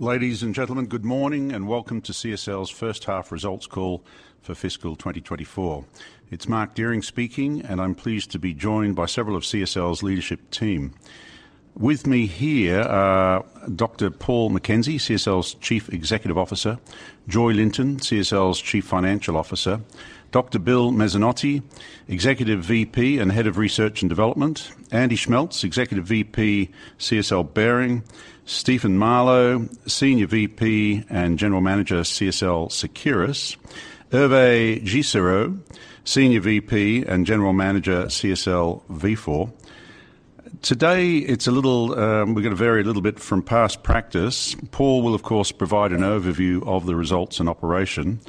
Ladies and gentlemen, good morning, and welcome to CSL's H1 Results call for fiscal 2024. It's Mark Dehring speaking, and I'm pleased to be joined by several of CSL's leadership team. With me here are Dr. Paul McKenzie, CSL's Chief Executive Officer, Joy Linton, CSL's Chief Financial Officer, Dr. Bill Mezzanotte, Executive VP and Head of Research and Development, Andy Schmeltz, Executive VP, CSL Behring, Stephen Marlow, Senior VP and General Manager, CSL Seqirus, Hervé Gisserot, Senior VP and General Manager, CSL Vifor. Today, it's a little, we're going to vary a little bit from past practice. Paul will, of course, provide an overview of the results and operation.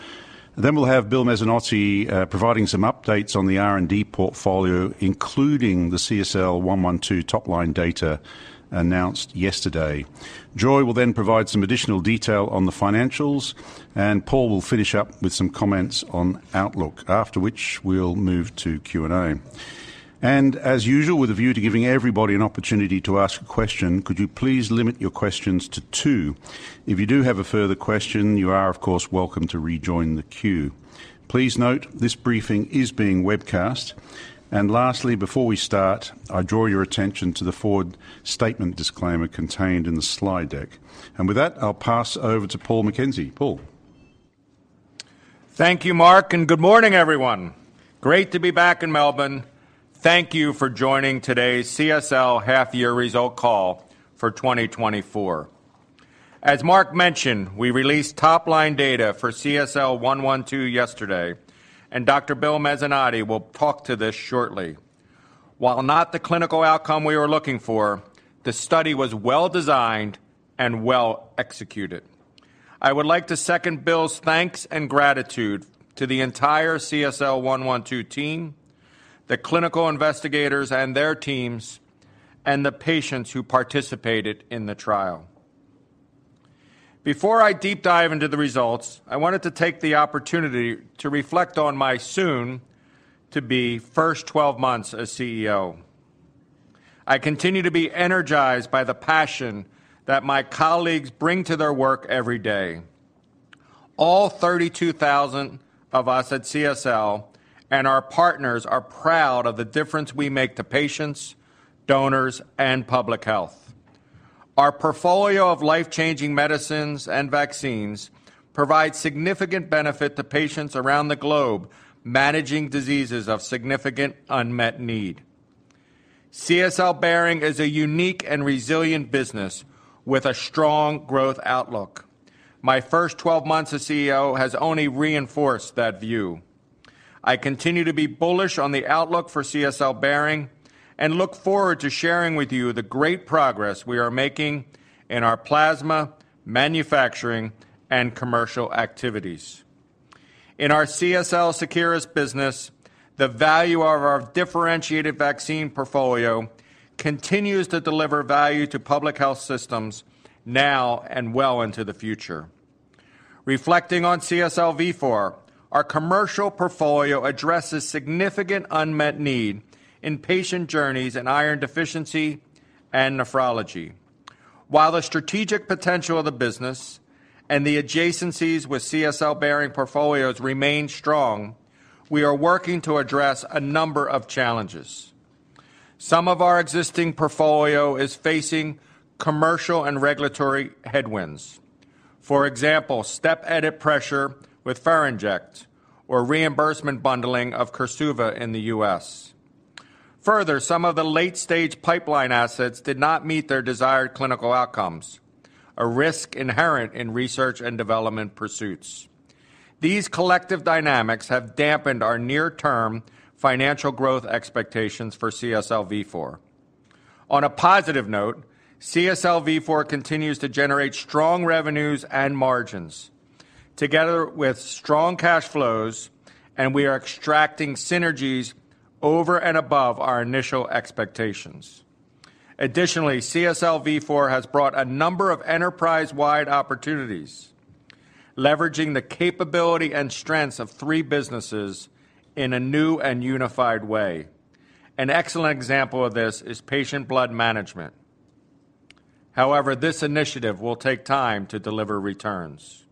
Then we'll have Bill Mezzanotte, providing some updates on the R&D portfolio, including the CSL112 top-line data announced yesterday. Joy will then provide some additional detail on the financials, and Paul will finish up with some comments on outlook, after which we'll move to Q&A. As usual, with a view to giving everybody an opportunity to ask a question, could you please limit your questions to two? If you do have a further question, you are, of course, welcome to rejoin the queue. Please note, this briefing is being webcast. Lastly, before we start, I draw your attention to the forward statement disclaimer contained in the slide deck. With that, I'll pass over to Paul McKenzie. Paul? Thank you, Mark, and good morning, everyone. Great to be back in Melbourne. Thank you for joining today's CSL Half-Year Result call for 2024. As Mark mentioned, we released top-line data for CSL112 yesterday, and Dr. Bill Mezzanotte will talk to this shortly. While not the clinical outcome we were looking for, the study was well-designed and well-executed. I would like to second Bill's thanks and gratitude to the entire CSL112 team, the clinical investigators and their teams, and the patients who participated in the trial. Before I deep dive into the results, I wanted to take the opportunity to reflect on my soon-to-be first 12 months as CEO. I continue to be energized by the passion that my colleagues bring to their work every day. All 32,000 of us at CSL and our partners are proud of the difference we make to patients, donors, and public health. Our portfolio of life-changing medicines and vaccines provide significant benefit to patients around the globe, managing diseases of significant unmet need. CSL Behring is a unique and resilient business with a strong growth outlook. My first 12 months as CEO has only reinforced that view. I continue to be bullish on the outlook for CSL Behring and look forward to sharing with you the great progress we are making in our plasma, manufacturing, and commercial activities. In our CSL Seqirus business, the value of our differentiated vaccine portfolio continues to deliver value to public health systems now and well into the future. Reflecting on CSL Vifor, our commercial portfolio addresses significant unmet need in patient journeys in iron deficiency and nephrology. While the strategic potential of the business and the adjacencies with CSL Behring portfolios remain strong, we are working to address a number of challenges. Some of our existing portfolio is facing commercial and regulatory headwinds. For example, step edit pressure with Ferinject or reimbursement bundling of Korsuva in the U.S. Further, some of the late-stage pipeline assets did not meet their desired clinical outcomes, a risk inherent in research and development pursuits. These collective dynamics have dampened our near-term financial growth expectations for CSL Vifor. On a positive note, CSL Vifor continues to generate strong revenues and margins, together with strong cash flows, and we are extracting synergies over and above our initial expectations. Additionally, CSL Vifor has brought a number of enterprise-wide opportunities, leveraging the capability and strengths of three businesses in a new and unified way. An excellent example of this is patient blood management. However, this initiative will take time to deliver returns.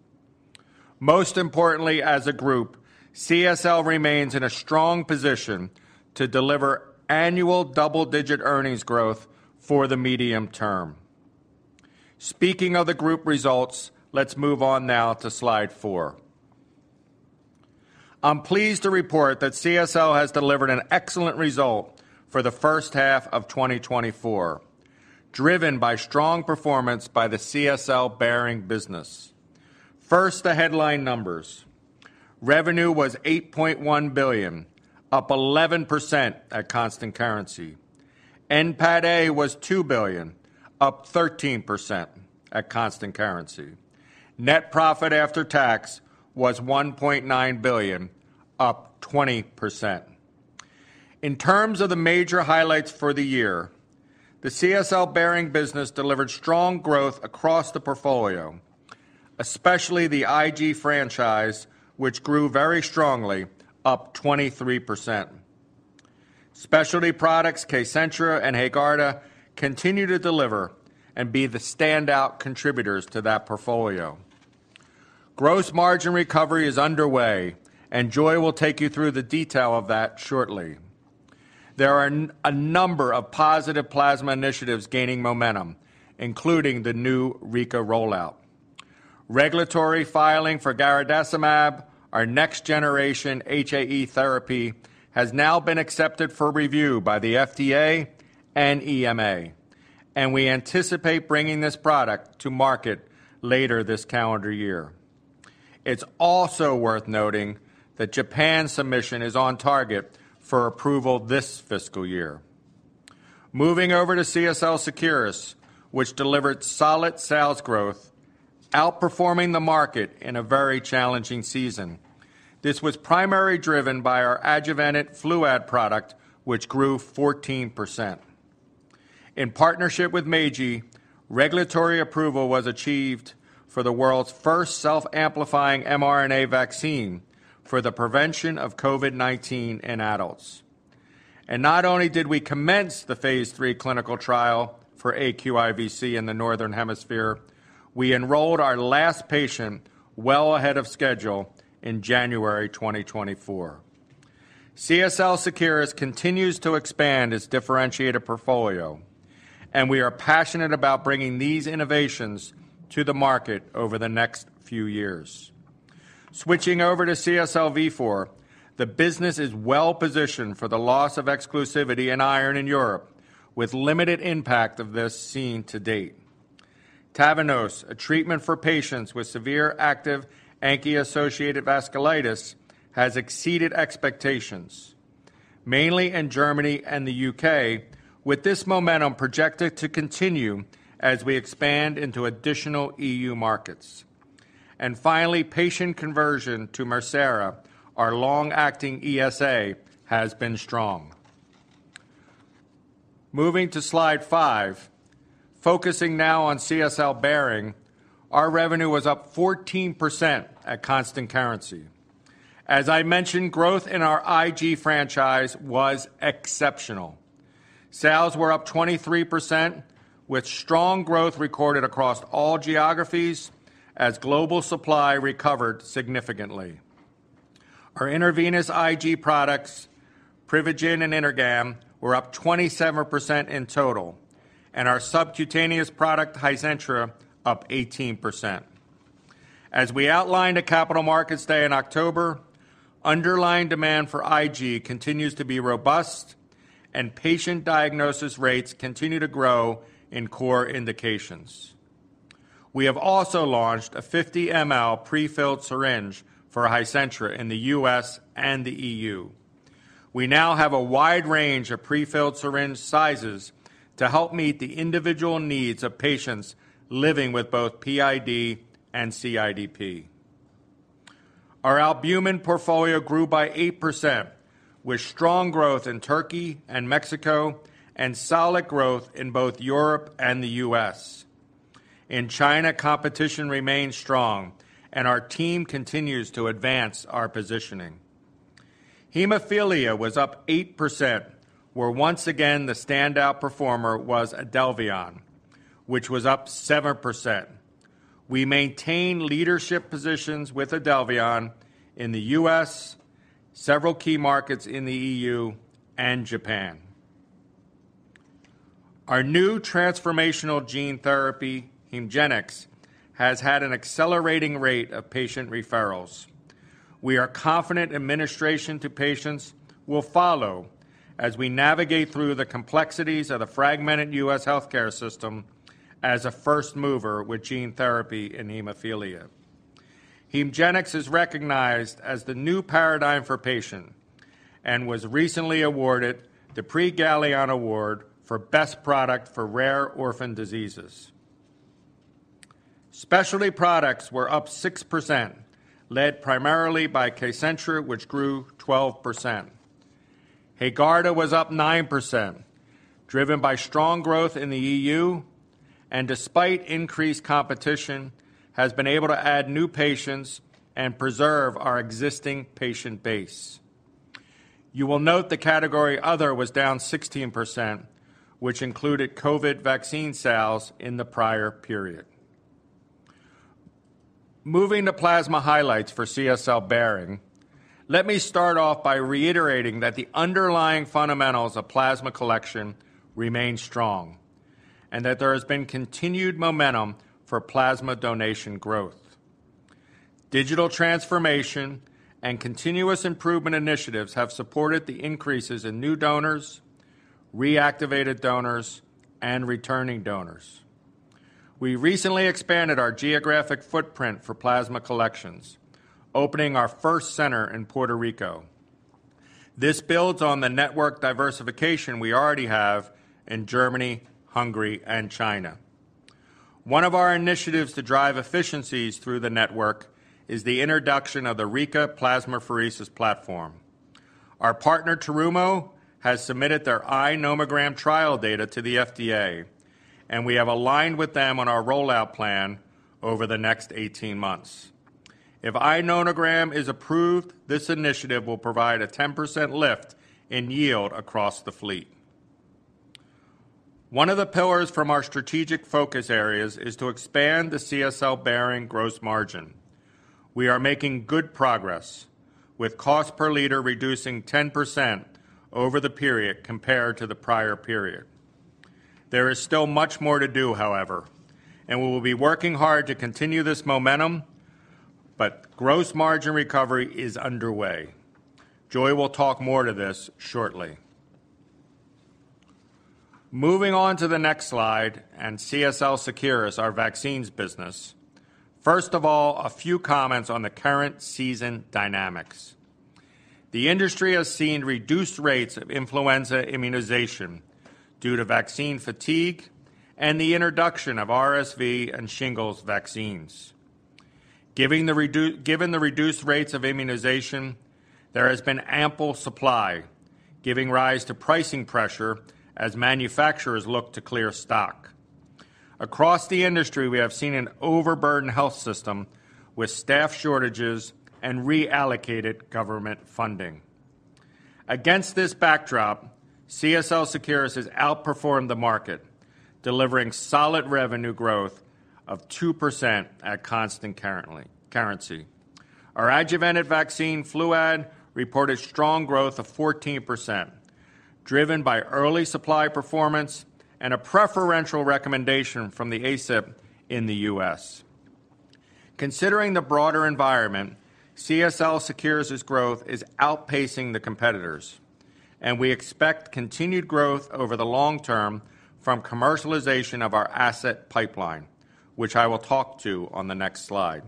Most importantly, as a group, CSL remains in a strong position to deliver annual double-digit earnings growth for the medium term. Speaking of the group results, let's move on now to slide four. I'm pleased to report that CSL has delivered an excellent result for the H1 of 2024, driven by strong performance by the CSL Behring business. First, the headline numbers. Revenue was $8.1 billion, up 11% at constant currency. NPATA was $2 billion, up 13% at constant currency. Net profit after tax was $1.9 billion, up 20%. In terms of the major highlights for the year, the CSL Behring business delivered strong growth across the portfolio, especially the IG franchise, which grew very strongly, up 23%. Specialty products, Kcentra and HAEGARDA, continue to deliver and be the standout contributors to that portfolio. Gross margin recovery is underway, and Joy will take you through the detail of that shortly. There are a number of positive plasma initiatives gaining momentum, including the new Rika rollout. Regulatory filing for garadacimab, our next generation HAE therapy, has now been accepted for review by the FDA and EMA, and we anticipate bringing this product to market later this calendar year. It's also worth noting that Japan submission is on target for approval this fiscal year. Moving over to CSL Seqirus, which delivered solid sales growth, outperforming the market in a very challenging season. This was primarily driven by our adjuvanted Fluad product, which grew 14%. In partnership with Meiji, regulatory approval was achieved for the world's first self-amplifying mRNA vaccine for the prevention of COVID-19 in adults. Not only did we commence the phase three clinical trial for aQIVc in the Northern Hemisphere, we enrolled our last patient well ahead of schedule in January 2024. CSL Seqirus continues to expand its differentiated portfolio, and we are passionate about bringing these innovations to the market over the next few years. Switching over to CSL Vifor, the business is well positioned for the loss of exclusivity in iron in Europe, with limited impact of this seen to date. TAVNEOS, a treatment for patients with severe active ANCA-associated vasculitis, has exceeded expectations, mainly in Germany and the U.K., with this momentum projected to continue as we expand into additional E.U. markets. And finally, patient conversion to MIRCERA, our long-acting ESA, has been strong. Moving to slide five, focusing now on CSL Behring, our revenue was up 14% at constant currency. As I mentioned, growth in our IG franchise was exceptional. Sales were up 23%, with strong growth recorded across all geographies as global supply recovered significantly. Our intravenous IG products, Privigen and Intragam, were up 27% in total, and our subcutaneous product, HIZENTRA, up 18%. As we outlined at Capital Markets Day in October, underlying demand for IG continues to be robust and patient diagnosis rates continue to grow in core indications. We have also launched a 50 mL prefilled syringe for HIZENTRA in the U.S. and the E.U. We now have a wide range of prefilled syringe sizes to help meet the individual needs of patients living with both PID and CIDP. Our albumin portfolio grew by 8%, with strong growth in Turkey and Mexico, and solid growth in both Europe and the U.S. In China, competition remains strong, and our team continues to advance our positioning. Hemophilia was up 8%, where once again, the standout performer was IDELVION, which was up 7%. We maintain leadership positions with IDELVION in the U.S., several key markets in the E.U. and Japan. Our new transformational gene therapy, HEMGENIX, has had an accelerating rate of patient referrals. We are confident administration to patients will follow as we navigate through the complexities of the fragmented U.S. healthcare system as a first mover with gene therapy in hemophilia. HEMGENIX is recognized as the new paradigm for patient and was recently awarded the Prix Galien Award for Best Product for Rare Orphan Diseases. Specialty products were up 6%, led primarily by Kcentra, which grew 12%. HAEGARDA was up 9%, driven by strong growth in the E.U., and despite increased competition, has been able to add new patients and preserve our existing patient base. You will note the category Other was down 16%, which included COVID vaccine sales in the prior period. Moving to plasma highlights for CSL Behring, let me start off by reiterating that the underlying fundamentals of plasma collection remain strong and that there has been continued momentum for plasma donation growth. Digital transformation and continuous improvement initiatives have supported the increases in new donors, reactivated donors, and returning donors. We recently expanded our geographic footprint for plasma collections, opening our first center in Puerto Rico. This builds on the network diversification we already have in Germany, Hungary, and China. One of our initiatives to drive efficiencies through the network is the introduction of the Rika plasmapheresis platform. Our partner, Terumo, has submitted their iNomogram trial data to the FDA, and we have aligned with them on our rollout plan over the next 18 months. If iNomogram is approved, this initiative will provide a 10% lift in yield across the fleet. One of the pillars from our strategic focus areas is to expand the CSL Behring gross margin. We are making good progress, with cost per liter reducing 10% over the period compared to the prior period. There is still much more to do, however, and we will be working hard to continue this momentum, but gross margin recovery is underway. Joy will talk more to this shortly. Moving on to the next slide, CSL Seqirus, our vaccines business. First of all, a few comments on the current season dynamics. The industry has seen reduced rates of influenza immunization due to vaccine fatigue and the introduction of RSV and shingles vaccines. Given the reduced rates of immunization, there has been ample supply, giving rise to pricing pressure as manufacturers look to clear stock. Across the industry, we have seen an overburdened health system with staff shortages and reallocated government funding. Against this backdrop, CSL Seqirus has outperformed the market, delivering solid revenue growth of 2% at constant currency. Our adjuvanted vaccine, Fluad, reported strong growth of 14%, driven by early supply performance and a preferential recommendation from the ACIP in the U.S. Considering the broader environment, CSL Seqirus' growth is outpacing the competitors', and we expect continued growth over the long term from commercialization of our asset pipeline, which I will talk to on the next slide.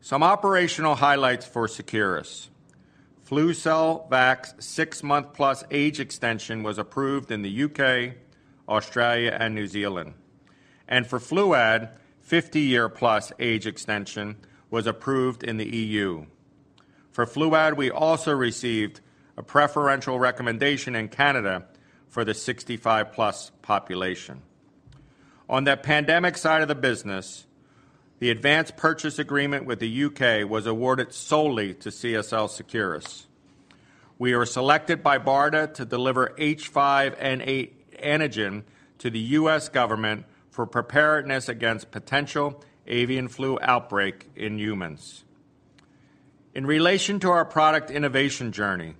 Some operational highlights for Seqirus. Flucelvax 6-month-plus age extension was approved in the U.K., Australia, and New Zealand, and for Fluad, 50-year-plus age extension was approved in the E.U. For Fluad, we also received a preferential recommendation in Canada for the 65-plus population. On the pandemic side of the business, the advance purchase agreement with the U.K. was awarded solely to CSL Seqirus. We were selected by BARDA to deliver H5N8 antigen to the U.S. government for preparedness against potential avian flu outbreak in humans. In relation to our product innovation journey,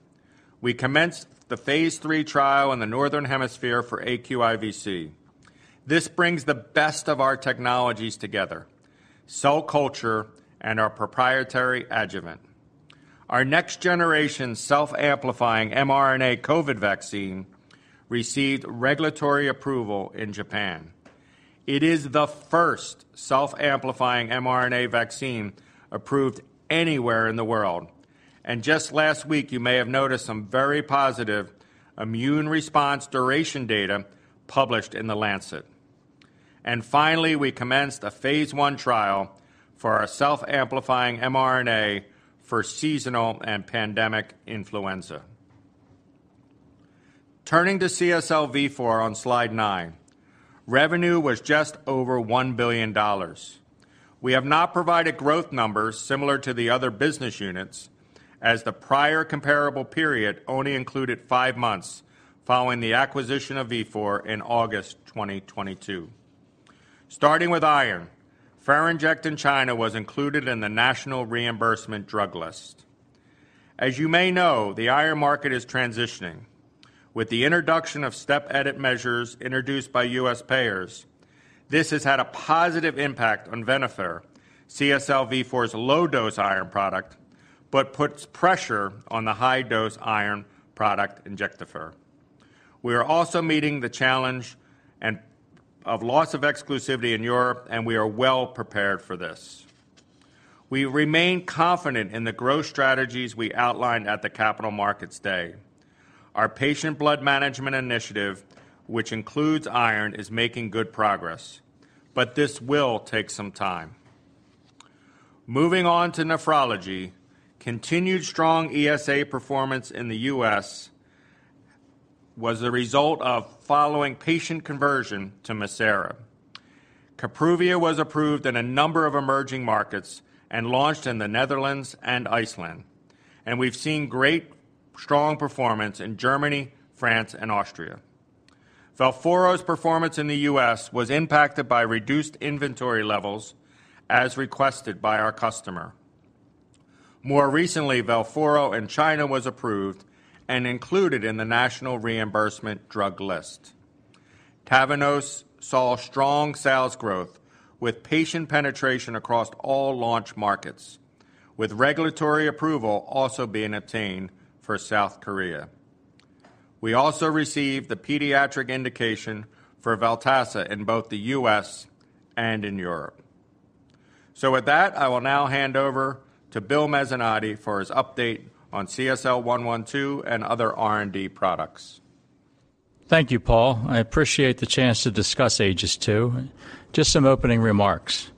we commenced the phase III trial in the Northern Hemisphere for aQIVc. This brings the best of our technologies together, cell culture and our proprietary adjuvant. Our next-generation self-amplifying mRNA COVID vaccine received regulatory approval in Japan. It is the first self-amplifying mRNA vaccine approved anywhere in the world, and just last week, you may have noticed some very positive immune response duration data published in The Lancet. Finally, we commenced a phase I trial for our self-amplifying mRNA for seasonal and pandemic influenza. Turning to CSL Vifor, on slide nine, revenue was just over $1 billion. We have not provided growth numbers similar to the other business units, as the prior comparable period only included five months following the acquisition of Vifor in August 2022. Starting with iron, Ferinject in China was included in the National Reimbursement Drug List. As you may know, the iron market is transitioning. With the introduction of Step Edit measures introduced by U.S. payers, this has had a positive impact on Venofer, CSL Vifor's low-dose iron product, but puts pressure on the high-dose iron product, Injectafer. We are also meeting the challenge of loss of exclusivity in Europe, and we are well prepared for this. We remain confident in the growth strategies we outlined at the Capital Markets Day. Our patient blood management initiative, which includes iron, is making good progress, but this will take some time. Moving on to nephrology, continued strong ESA performance in the U.S. was the result of following patient conversion to MIRCERA. Kapruvia was approved in a number of emerging markets and launched in the Netherlands and Iceland, and we've seen great, strong performance in Germany, France, and Austria. Velforo's performance in the U.S. was impacted by reduced inventory levels as requested by our customer. More recently, Velforo in China was approved and included in the National Reimbursement Drug List. TAVNEOS saw strong sales growth with patient penetration across all launch markets, with regulatory approval also being obtained for South Korea. We also received the pediatric indication for Valtassa in both the U.S. and in Europe. With that, I will now hand over to Bill Mezzanotte for his update on CSL112 and other R&D products. Thank you, Paul. I appreciate the chance to discuss AEGIS-II. Just some opening remarks.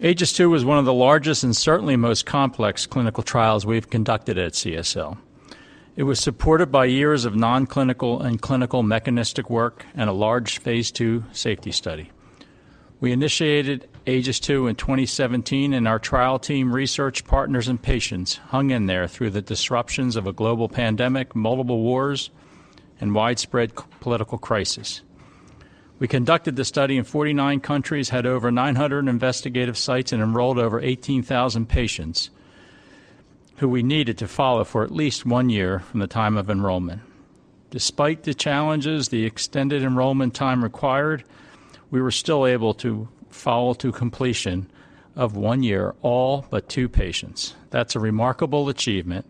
AEGIS-II was one of the largest and certainly most complex clinical trials we've conducted at CSL.... It was supported by years of non-clinical and clinical mechanistic work and a large phase II safety study. We initiated AEGIS-II in 2017, and our trial team, research partners, and patients hung in there through the disruptions of a global pandemic, multiple wars, and widespread geopolitical crisis. We conducted the study in 49 countries, had over 900 investigative sites, and enrolled over 18,000 patients, who we needed to follow for at least one year from the time of enrollment. Despite the challenges, the extended enrollment time required, we were still able to follow to completion of one year, all but two patients. That's a remarkable achievement.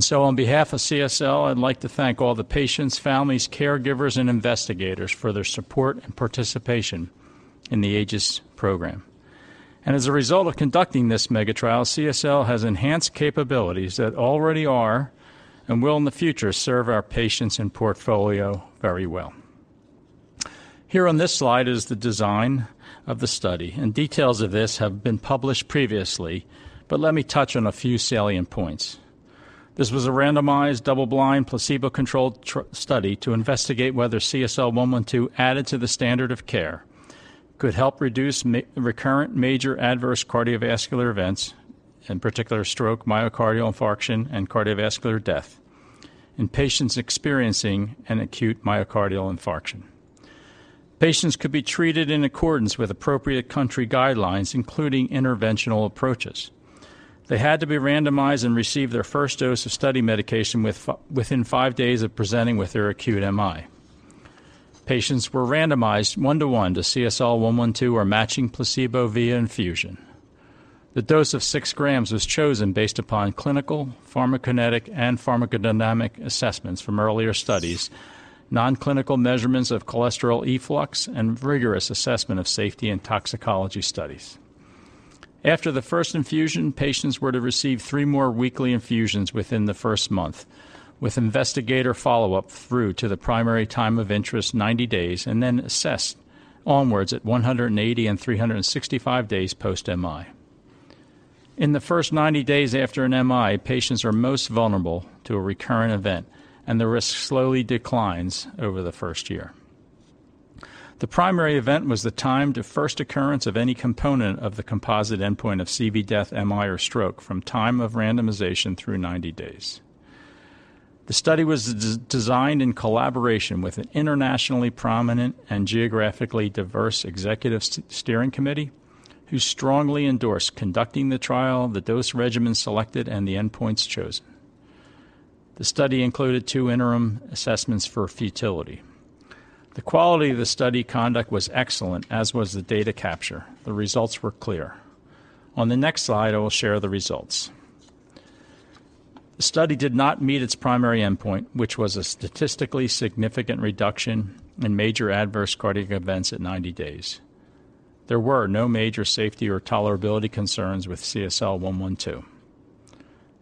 So on behalf of CSL, I'd like to thank all the patients, families, caregivers, and investigators for their support and participation in the AEGIS program. As a result of conducting this mega trial, CSL has enhanced capabilities that already are, and will in the future, serve our patients and portfolio very well. Here on this slide is the design of the study, and details of this have been published previously, but let me touch on a few salient points. This was a randomized, double-blind, placebo-controlled trial study to investigate whether CSL112, added to the standard of care, could help reduce recurrent major adverse cardiovascular events, in particular, stroke, myocardial infarction, and cardiovascular death in patients experiencing an acute myocardial infarction. Patients could be treated in accordance with appropriate country guidelines, including interventional approaches. They had to be randomized and receive their first dose of study medication within 5 days of presenting with their acute MI. Patients were randomized 1:1 to CSL112 or matching placebo via infusion. The dose of 6 g was chosen based upon clinical, pharmacokinetic, and pharmacodynamic assessments from earlier studies, non-clinical measurements of cholesterol efflux, and rigorous assessment of safety and toxicology studies. After the first infusion, patients were to receive three` more weekly infusions within the first month, with investigator follow-up through to the primary time of interest, 90 days, and then assessed onwards at 180 and 365 days post-MI. In the first 90 days after an MI, patients are most vulnerable to a recurrent event, and the risk slowly declines over the first year. The primary event was the time to first occurrence of any component of the composite endpoint of CV death, MI, or stroke from time of randomization through 90 days. The study was designed in collaboration with an internationally prominent and geographically diverse executive steering committee, who strongly endorsed conducting the trial, the dose regimen selected, and the endpoints chosen. The study included two interim assessments for futility. The quality of the study conduct was excellent, as was the data capture. The results were clear. On the next slide, I will share the results. The study did not meet its primary endpoint, which was a statistically significant reduction in major adverse cardiac events at 90 days. There were no major safety or tolerability concerns with CSL112.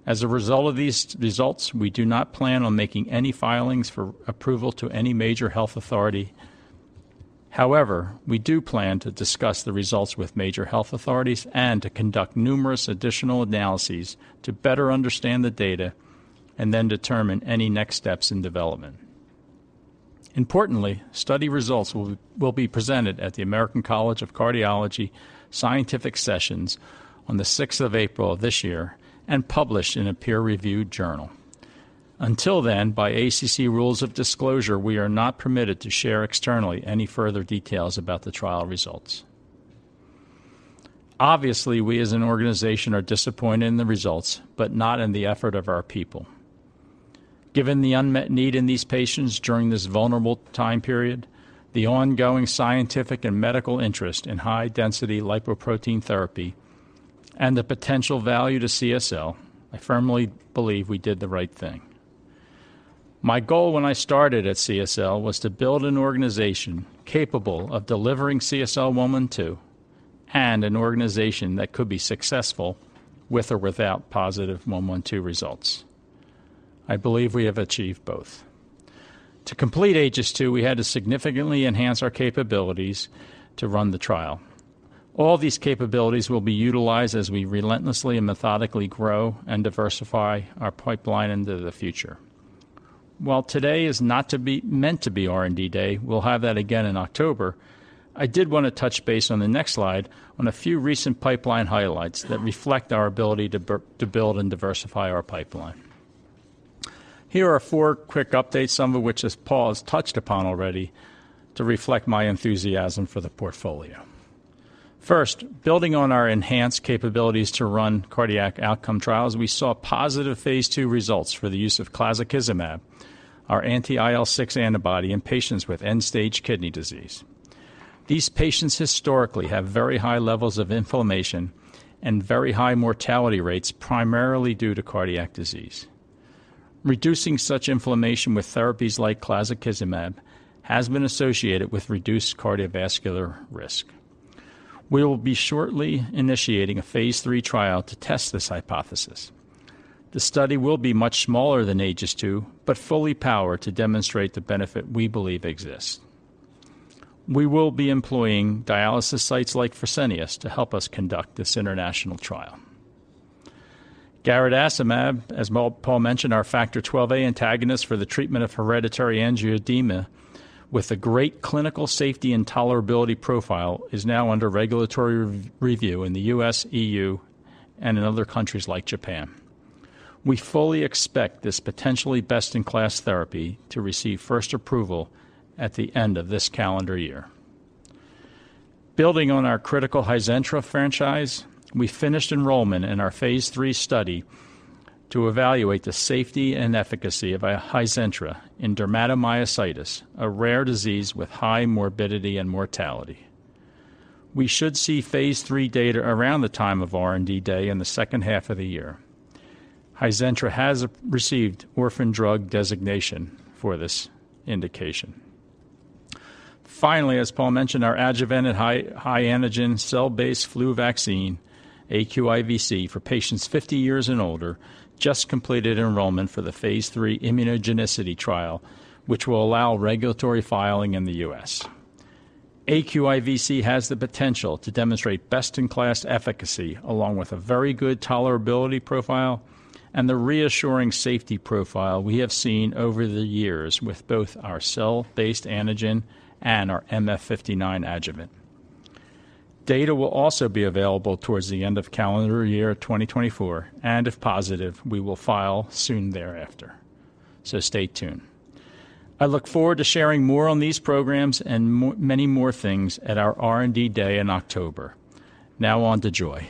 As a result of these results, we do not plan on making any filings for approval to any major health authority. However, we do plan to discuss the results with major health authorities and to conduct numerous additional analyses to better understand the data and then determine any next steps in development. Importantly, study results will be presented at the American College of Cardiology Scientific Sessions on the April 6th this year and published in a peer-reviewed journal. Until then, by ACC rules of disclosure, we are not permitted to share externally any further details about the trial results. Obviously, we as an organization are disappointed in the results, but not in the effort of our people. Given the unmet need in these patients during this vulnerable time period, the ongoing scientific and medical interest in high-density lipoprotein therapy, and the potential value to CSL, I firmly believe we did the right thing. My goal when I started at CSL was to build an organization capable of delivering CSL112, and an organization that could be successful with or without positive 112 results. I believe we have achieved both. To complete AEGIS-II, we had to significantly enhance our capabilities to run the trial. All these capabilities will be utilized as we relentlessly and methodically grow and diversify our pipeline into the future. While today is not meant to be R&D Day, we'll have that again in October, I did want to touch base on the next slide on a few recent pipeline highlights that reflect our ability to build and diversify our pipeline. Here are four quick updates, some of which, as Paul has touched upon already, to reflect my enthusiasm for the portfolio. First, building on our enhanced capabilities to run cardiac outcome trials, we saw positive phase II results for the use of clazakizumab, our anti-IL-6 antibody, in patients with end-stage kidney disease. These patients historically have very high levels of inflammation and very high mortality rates, primarily due to cardiac disease. Reducing such inflammation with therapies like clazakizumab has been associated with reduced cardiovascular risk. We will be shortly initiating a phase III trial to test this hypothesis. The study will be much smaller than AEGIS-II, but fully powered to demonstrate the benefit we believe exists. We will be employing dialysis sites like Fresenius to help us conduct this international trial. Garadacimab, as Paul mentioned, our factor XIIa antagonist for the treatment of hereditary angioedema, with a great clinical safety and tolerability profile, is now under regulatory review in the U.S., E.U., and in other countries like Japan. We fully expect this potentially best-in-class therapy to receive first approval at the end of this calendar year. Building on our critical HIZENTRA franchise, we finished enrollment in our phase III study to evaluate the safety and efficacy of HIZENTRA in dermatomyositis, a rare disease with high morbidity and mortality. We should see phase III data around the time of R&D Day in the H2 of the year. HIZENTRA has received orphan drug designation for this indication. Finally, as Paul mentioned, our adjuvanted high, high-antigen cell-based flu vaccine, aQIVc, for patients 50 years and older, just completed enrollment for the phase III immunogenicity trial, which will allow regulatory filing in the U.S. aQIVc has the potential to demonstrate best-in-class efficacy, along with a very good tolerability profile and the reassuring safety profile we have seen over the years with both our cell-based antigen and our MF59 adjuvant. Data will also be available towards the end of calendar year 2024, and if positive, we will file soon thereafter. So stay tuned. I look forward to sharing more on these programs and many more things at our R&D Day in October. Now on to Joy.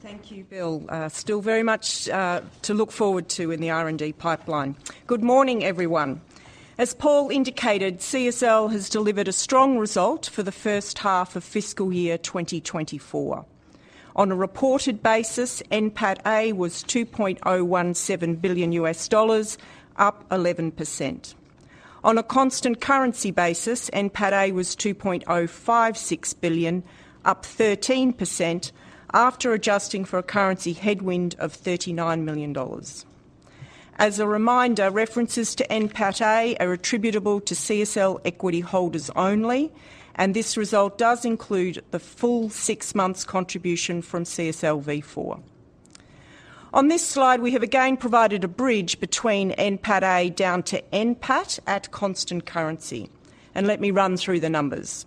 Thank you, Bill. Still very much to look forward to in the R&D pipeline. Good morning, everyone. As Paul indicated, CSL has delivered a strong result for the H1 of fiscal year 2024. On a reported basis, NPATA was $2.017 billion, up 11%. On a constant currency basis, NPATA was $2.056 billion, up 13%, after adjusting for a currency headwind of $39 million. As a reminder, references to NPATA are attributable to CSL equity holders only, and this result does include the full six months contribution from CSL Vifor. On this slide, we have again provided a bridge between NPATA down to NPATAt constant currency, and let me run through the numbers.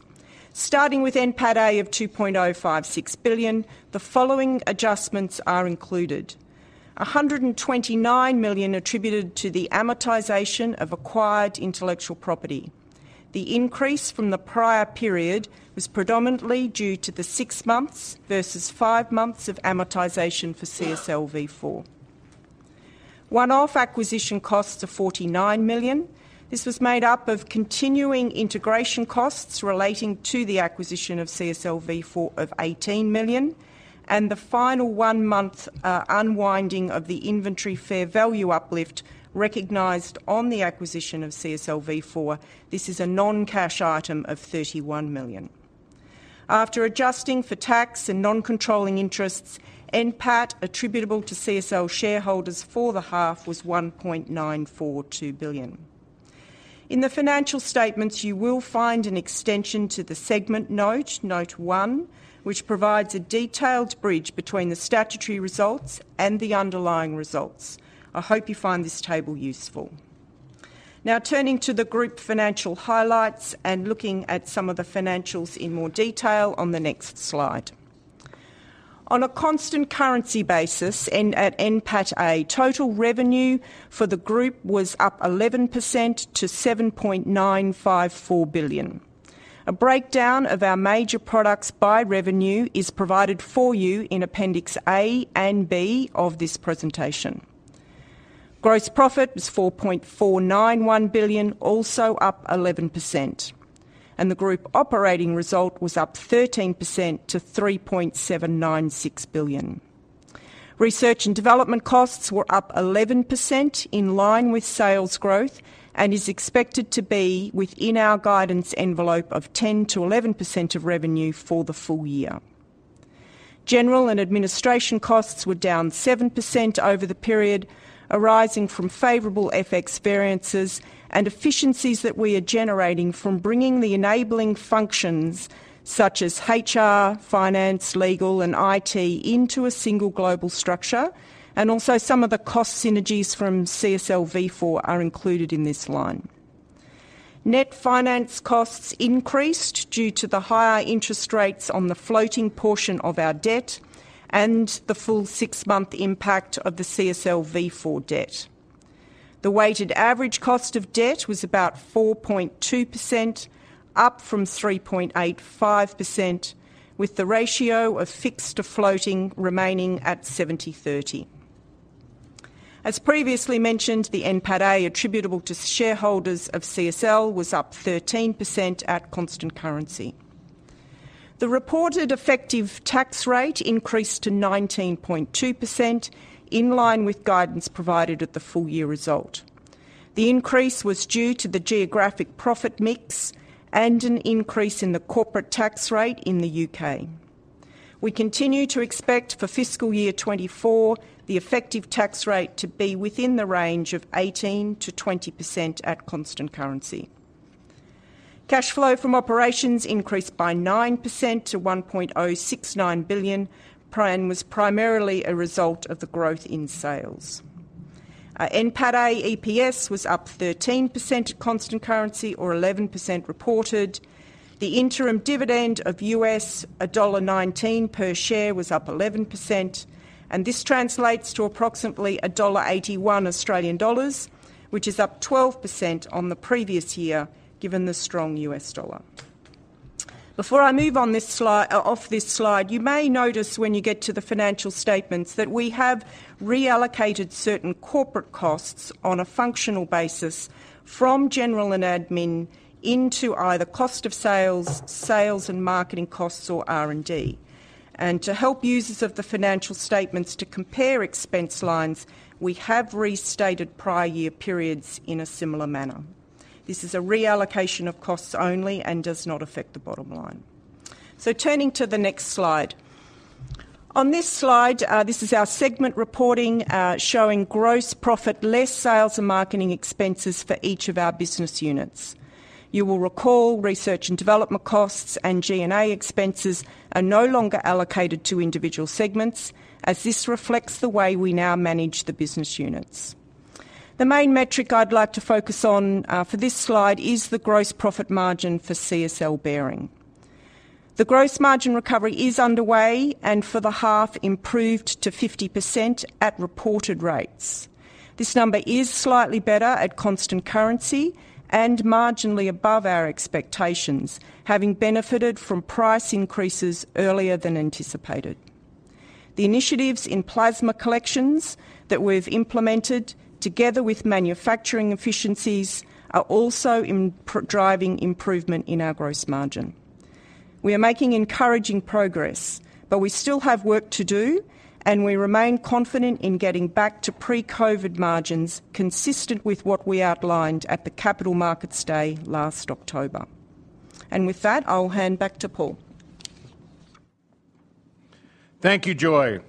Starting with NPATA of $2.056 billion, the following adjustments are included: $129 million attributed to the amortization of acquired intellectual property. The increase from the prior period was predominantly due to the six months versus five months of amortization for CSL Vifor. One-off acquisition costs of $49 million. This was made up of continuing integration costs relating to the acquisition of CSL Vifor of $18 million, and the final one-month unwinding of the inventory fair value uplift recognized on the acquisition of CSL Vifor. This is a non-cash item of $31 million. After adjusting for tax and non-controlling` interests, NPAT attributable to CSL shareholders for the half was $1.942 billion. In the financial statements, you will find an extension to the segment note, note one, which provides a detailed bridge between the statutory results and the underlying results. I hope you find this table useful. Now, turning to the group financial highlights and looking at some of the financials in more detail on the next slide. On a constant currency basis and at NPATA, total revenue for the group was up 11% to $7.954 billion. A breakdown of our major products by revenue is provided for you in Appendix A and B of this presentation. Gross profit was $4.491 billion, also up 11%, and the group operating result was up 13% to $3.796 billion. Research and development costs were up 11%, in line with sales growth, and is expected to be within our guidance envelope of 10%-11% of revenue for the full year. General and administration costs were down 7% over the period, arising from favorable FX variances and efficiencies that we are generating from bringing the enabling functions such as HR, finance, legal, and IT into a single global structure, and also some of the cost synergies from CSL Vifor are included in this line. Net finance costs increased due to the higher interest rates on the floating portion of our debt and the full six-month impact of the CSL Vifor debt. The weighted average cost of debt was about 4.2%, up from 3.85%, with the ratio of fixed to floating remaining at 70/30. As previously mentioned, the NPATA attributable to shareholders of CSL was up 13% at constant currency. The reported effective tax rate increased to 19.2%, in line with guidance provided at the full-year result. The increase was due to the geographic profit mix and an increase in the corporate tax rate in the U.K. We continue to expect for fiscal year 2024, the effective tax rate to be within the range of 18%-20% at constant currency. Cash flow from operations increased by 9% to $1.069 billion and was primarily a result of the growth in sales. Our NPATA EPS was up 13% at constant currency or 11% reported. The interim dividend of $1.19 per share was up 11%, and this translates to approximately 1.81 Australian dollars, which is up 12% on the previous year, given the strong U.S. dollar. Before I move on this slide, off this slide, you may notice when you get to the financial statements that we have reallocated certain corporate costs on a functional basis from general and admin into either cost of sales, sales and marketing costs, or R&D. And to help users of the financial statements to compare expense lines, we have restated prior year periods in a similar manner. This is a reallocation of costs only and does not affect the bottom line. So turning to the next slide. On this slide, this is our segment reporting, showing gross profit, less sales and marketing expenses for each of our business units. You will recall, research and development costs and G&A expenses are no longer allocated to individual segments, as this reflects the way we now manage the business units. The main metric I'd like to focus on for this slide is the gross profit margin for CSL Behring. The gross margin recovery is underway, and for the half, improved to 50% at reported rates. This number is slightly better at constant currency and marginally above our expectations, having benefited from price increases earlier than anticipated. The initiatives in plasma collections that we've implemented, together with manufacturing efficiencies, are also importantly driving improvement in our gross margin. We are making encouraging progress, but we still have work to do, and we remain confident in getting back to pre-COVID margins, consistent with what we outlined at the Capital Markets Day last October. And with that, I'll hand back to Paul. Thank you, Joy.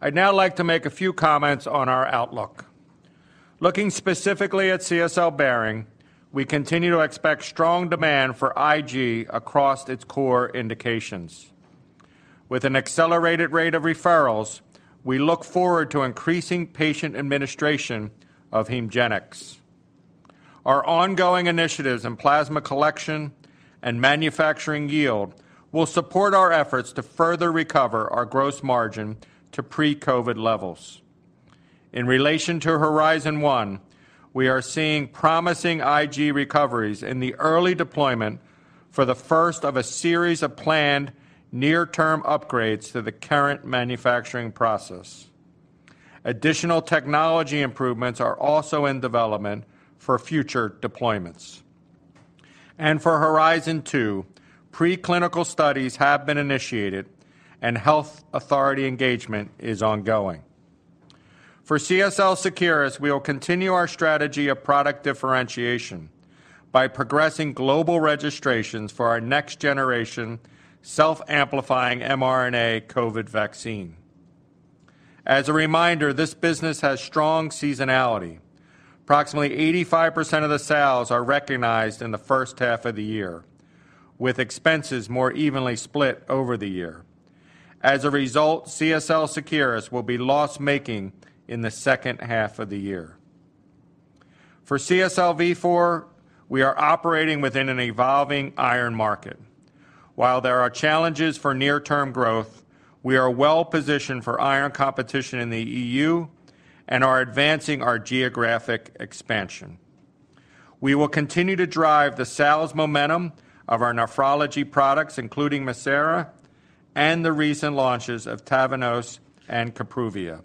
I'd now like to make a few comments on our outlook. Looking specifically at CSL Behring, we continue to expect strong demand for IG across its core indications. With an accelerated rate of referrals, we look forward to increasing patient administration of HEMGENIX. Our ongoing initiatives in plasma collection and manufacturing yield will support our efforts to further recover our gross margin to pre-COVID levels. In relation to Horizon 1, we are seeing promising IG recoveries in the early deployment for the first of a series of planned near-term upgrades to the current manufacturing process. Additional technology improvements are also in development for future deployments. And for Horizon 2, preclinical studies have been initiated, and health authority engagement is ongoing. For CSL Seqirus, we will continue our strategy of product differentiation by progressing global registrations for our next-generation self-amplifying mRNA COVID vaccine. As a reminder, this business has strong seasonality. Approximately 85% of the sales are recognized in the H1 of the year, with expenses more evenly split over the year. As a result, CSL Seqirus will be loss-making in the H2 of the year. For CSL Vifor, we are operating within an evolving iron market. While there are challenges for near-term growth, we are well positioned for iron competition in the E.U. and are advancing our geographic expansion. We will continue to drive the sales momentum of our nephrology products, including MIRCERA and the recent launches of TAVNEOS and Kapruvia.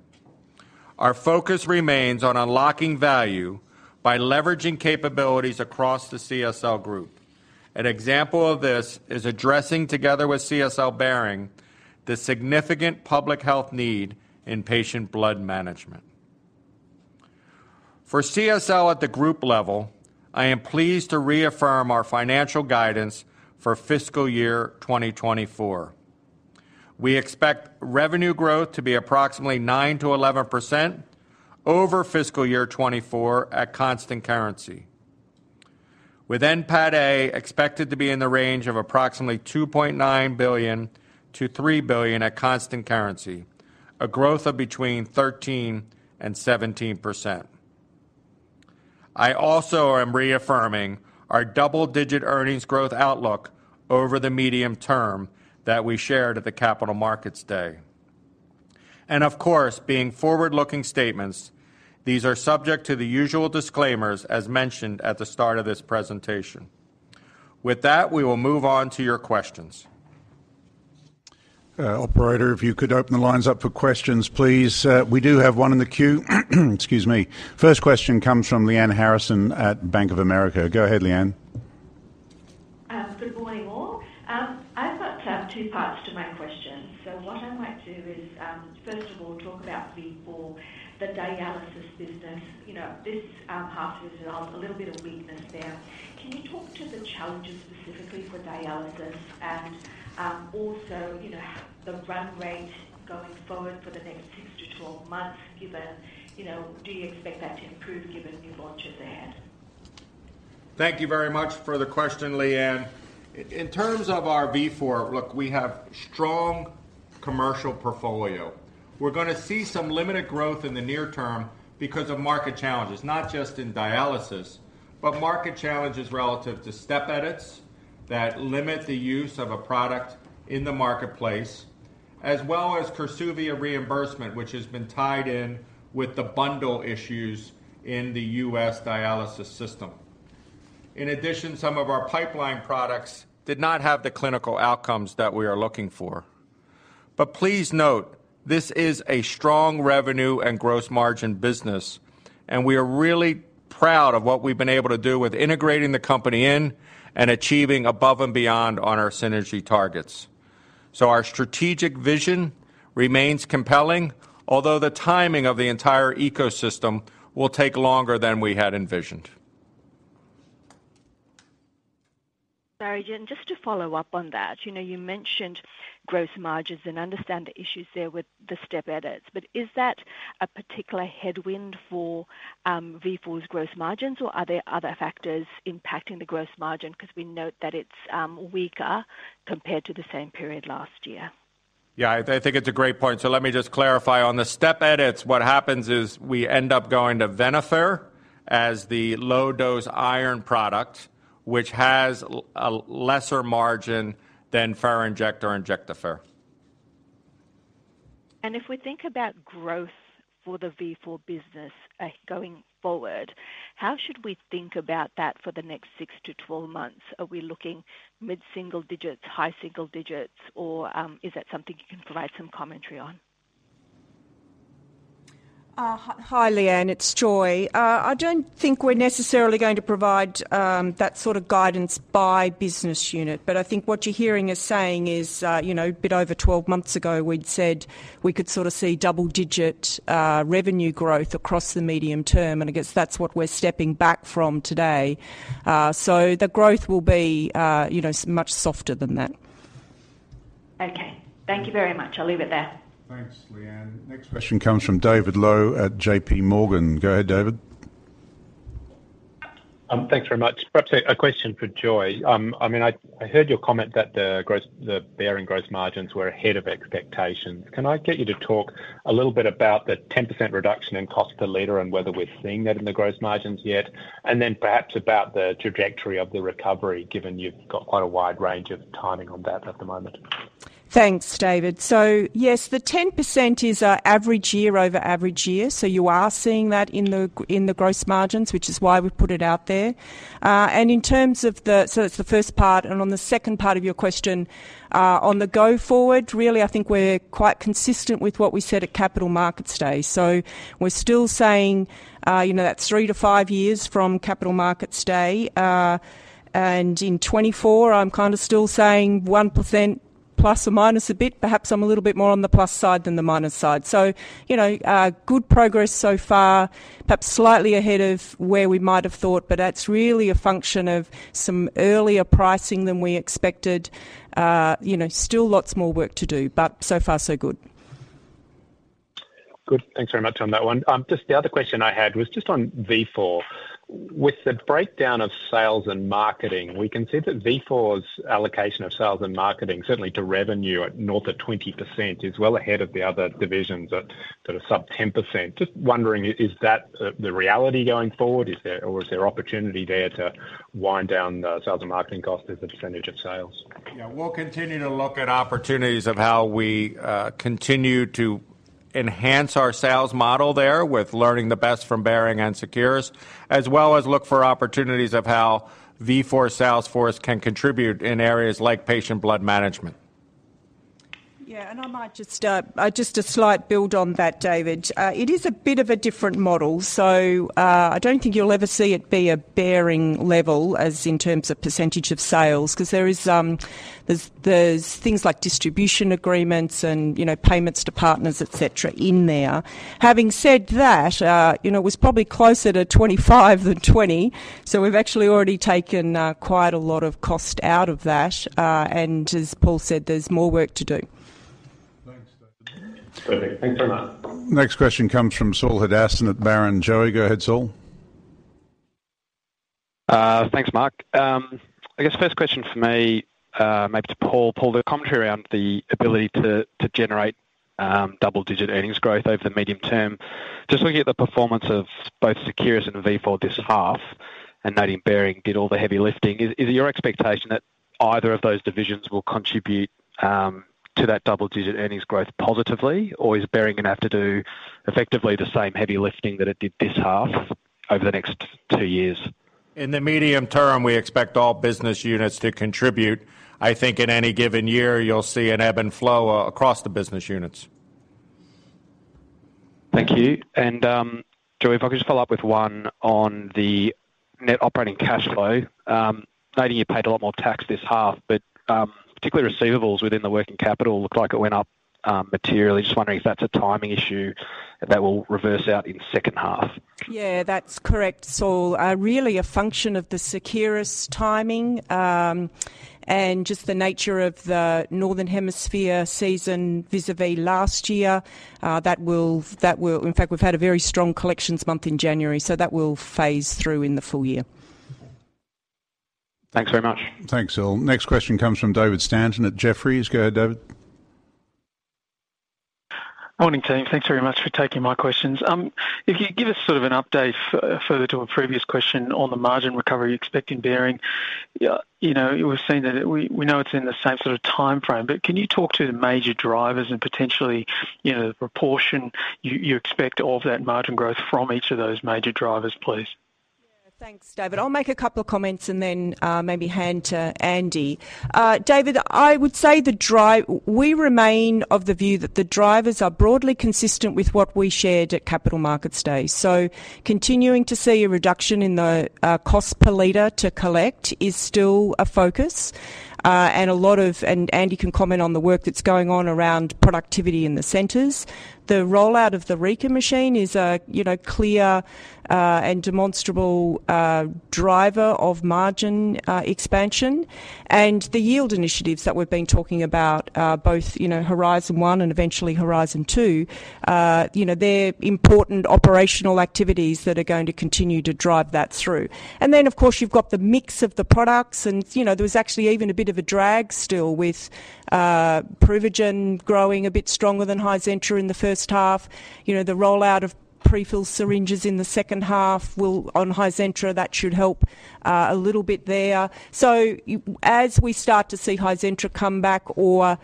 Our focus remains on unlocking value by leveraging capabilities across the CSL group. An example of this is addressing, together with CSL Behring, the significant public health need in patient blood management. For CSL at the group level, I am pleased to reaffirm our financial guidance for fiscal year 2024. We expect revenue growth to be approximately 9%-11% over fiscal year 2024 at constant currency, with NPATA expected to be in the range of approximately $2.9 billion-$3 billion at constant currency, a growth of between 13% and 17%. I also am reaffirming our double-digit earnings growth outlook over the medium term that we shared at the Capital Markets Day. And of course, being forward-looking statements, these are subject to the usual disclaimers, as mentioned at the start of this presentation. With that, we will move on to your questions. Operator, if you could open the lines up for questions, please. We do have one in the queue. Excuse me. First question comes from Lyanne Harrison at Bank of America. Go ahead, Leanne. Good morning, all. I'd like to have two parts to my question. So one of two is, first of all, talk about Vifor, the dialysis business. You know, this half has a little bit of weakness there. Can you talk to the challenges specifically for dialysis and, also, you know, the run rate going forward for the next six to 12 months, given, you know, do you expect that to improve given new launches ahead? Thank you very much for the question, Lyanne. In terms of our Vifor, look, we have strong commercial portfolio. We're gonna see some limited growth in the near term because of market challenges, not just in dialysis, but market challenges relative to step edits that limit the use of a product in the marketplace, as well as Korsuva reimbursement, which has been tied in with the bundle issues in the U.S. dialysis system. In addition, some of our pipeline products did not have the clinical outcomes that we are looking for. But please note, this is a strong revenue and gross margin business, and we are really proud of what we've been able to do with integrating the company in and achieving above and beyond on our synergy targets. So our strategic vision remains compelling, although the timing of the entire ecosystem will take longer than we had envisioned. Sorry, then just to follow up on that, you know, you mentioned gross margins and understand the issues there with the step edits, but is that a particular headwind for Vifor's gross margins, or are there other factors impacting the gross margin? Because we note that it's weaker compared to the same period last year. Yeah, I think it's a great point, so let me just clarify. On the step edits, what happens is we end up going to Venofer as the low-dose iron product, which has a lesser margin than Ferinject or Injectafer. If we think about growth for the Vifor business, going forward, how should we think about that for the next six to 12 months? Are we looking mid-single digits, high single digits, or, is that something you can provide some commentary on? Hi, Leanne, it's Joy. I don't think we're necessarily going to provide that sort of guidance by business unit, but I think what you're hearing us saying is, you know, a bit over 12 months ago, we'd said we could sort of see double-digit revenue growth across the medium term, and I guess that's what we're stepping back from today. So the growth will be, you know, much softer than that. Okay. Thank you very much. I'll leave it there. Thanks, Lyanne. Next question comes from David Low at J.P. Morgan. Go ahead, David. Thanks very much. Perhaps a question for Joy. I mean, I heard your comment that the gross... the Behring gross margins were ahead of expectations. Can I get you to talk a little bit about the 10% reduction in cost per liter and whether we're seeing that in the gross margins yet? And then perhaps about the trajectory of the recovery, given you've got quite a wide range of timing on that at the moment. Thanks, David. So yes, the 10% is our average year over average year, so you are seeing that in the gross margins, which is why we put it out there. And in terms of the. So that's the first part, and on the second part of your question, on the go forward, really, I think we're quite consistent with what we said at Capital Markets Day. So we're still saying, you know, that's three to five years from Capital Markets Day. And in 2024, I'm kind of still saying 1% ± a bit. Perhaps I'm a little bit more on the plus side than the minus side. So, you know, good progress so far, perhaps slightly ahead of where we might have thought, but that's really a function of some earlier pricing than we expected. You know, still lots more work to do, but so far, so good. Good. Thanks very much on that one. Just the other question I had was just on Vifor. With the breakdown of sales and marketing, we can see that Vifor's allocation of sales and marketing, certainly to revenue at north of 20%, is well ahead of the other divisions that are sub 10%. Just wondering, is that the reality going forward? Is there or is there opportunity there to wind down the sales and marketing cost as a percentage of sales? Yeah. We'll continue to look at opportunities of how we continue to enhance our sales model there with learning the best from Behring and Seqirus, as well as look for opportunities of how Vifor sales force can contribute in areas like patient blood management. Yeah, and I might just, just a slight build on that, David. It is a bit of a different model, so, I don't think you'll ever see it be a Behring level as in terms of percentage of sales, 'cause there is, there's things like distribution agreements and, you know, payments to partners, et cetera, in there. Having said that, you know, it was probably closer to 25 than 20, so we've actually already taken, quite a lot of cost out of that, and as Paul said, there's more work to do. Perfect. Thanks very much. Next question comes from Saul Hadassin at Barrenjoey. Go ahead, Saul. Thanks, Mark. I guess first question for me, maybe to Paul. Paul, the commentary around the ability to generate double-digit earnings growth over the medium term. Just looking at the performance of both Seqirus and Vifor this half, and knowing Behring did all the heavy lifting, is it your expectation that either of those divisions will contribute to that double-digit earnings growth positively, or is Behring gonna have to do effectively the same heavy lifting that it did this half over the next two years? In the medium term, we expect all business units to contribute. I think in any given year, you'll see an ebb and flow across the business units.... Thank you. And, Joy, if I could just follow up with one on the net operating cash flow. Knowing you paid a lot more tax this half, but, particularly receivables within the working capital looked like it went up, materially. Just wondering if that's a timing issue that will reverse out in H2? Yeah, that's correct, Saul. Really a function of the Seqirus timing, and just the nature of the Northern Hemisphere season vis-à-vis last year, that will... In fact, we've had a very strong collections month in January, so that will phase through in the full year. Thanks very much. Thanks, Saul. Next question comes from David Stanton at Jefferies. Go ahead, David. Morning, team. Thanks very much for taking my questions. If you give us sort of an update further to a previous question on the margin recovery you expect in Behring. Yeah, you know, we've seen that... We know it's in the same sort of timeframe, but can you talk to the major drivers and potentially, you know, the proportion you expect all of that margin growth from each of those major drivers, please? Yeah. Thanks, David. I'll make a couple of comments and then maybe hand to Andy. David, I would say we remain of the view that the drivers are broadly consistent with what we shared at Capital Markets Day. So continuing to see a reduction in the cost per liter to collect is still a focus, and a lot of... And Andy can comment on the work that's going on around productivity in the centers. The rollout of the Rika machine is a, you know, clear and demonstrable driver of margin expansion, and the yield initiatives that we've been talking about, both, you know, Horizon 1 and eventually Horizon 2, you know, they're important operational activities that are going to continue to drive that through. And then, of course, you've got the mix of the products, and, you know, there was actually even a bit of a drag still with Privigen growing a bit stronger than HIZENTRA in the H1. You know, the rollout of prefilled syringes in the H2 will, on HIZENTRA, that should help a little bit there. So as we start to see HIZENTRA come back or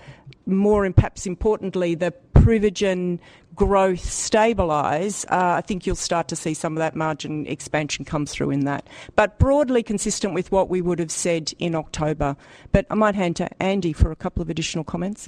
more, and perhaps importantly, the Privigen growth stabilize, I think you'll start to see some of that margin expansion come through in that. But broadly consistent with what we would have said in October. But I might hand to Andy for a couple of additional comments.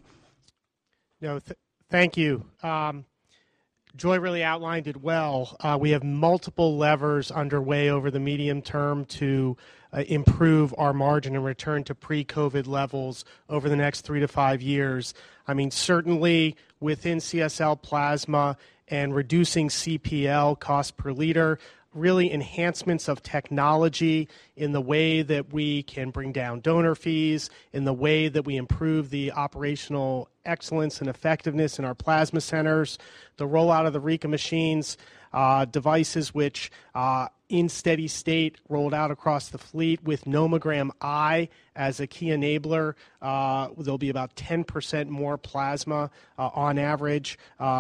No, thank you. Joy really outlined it well. We have multiple levers underway over the medium term to improve our margin and return to pre-COVID levels over the next three to five years. I mean, certainly within CSL Plasma and reducing CPL, cost per liter, really enhancements of technology in the way that we can bring down donor fees, in the way that we improve the operational excellence and effectiveness in our plasma centers, the rollout of the Rika machines, devices which, in steady state, rolled out across the fleet with iNomogram as a key enabler, there'll be about 10% more plasma, on average,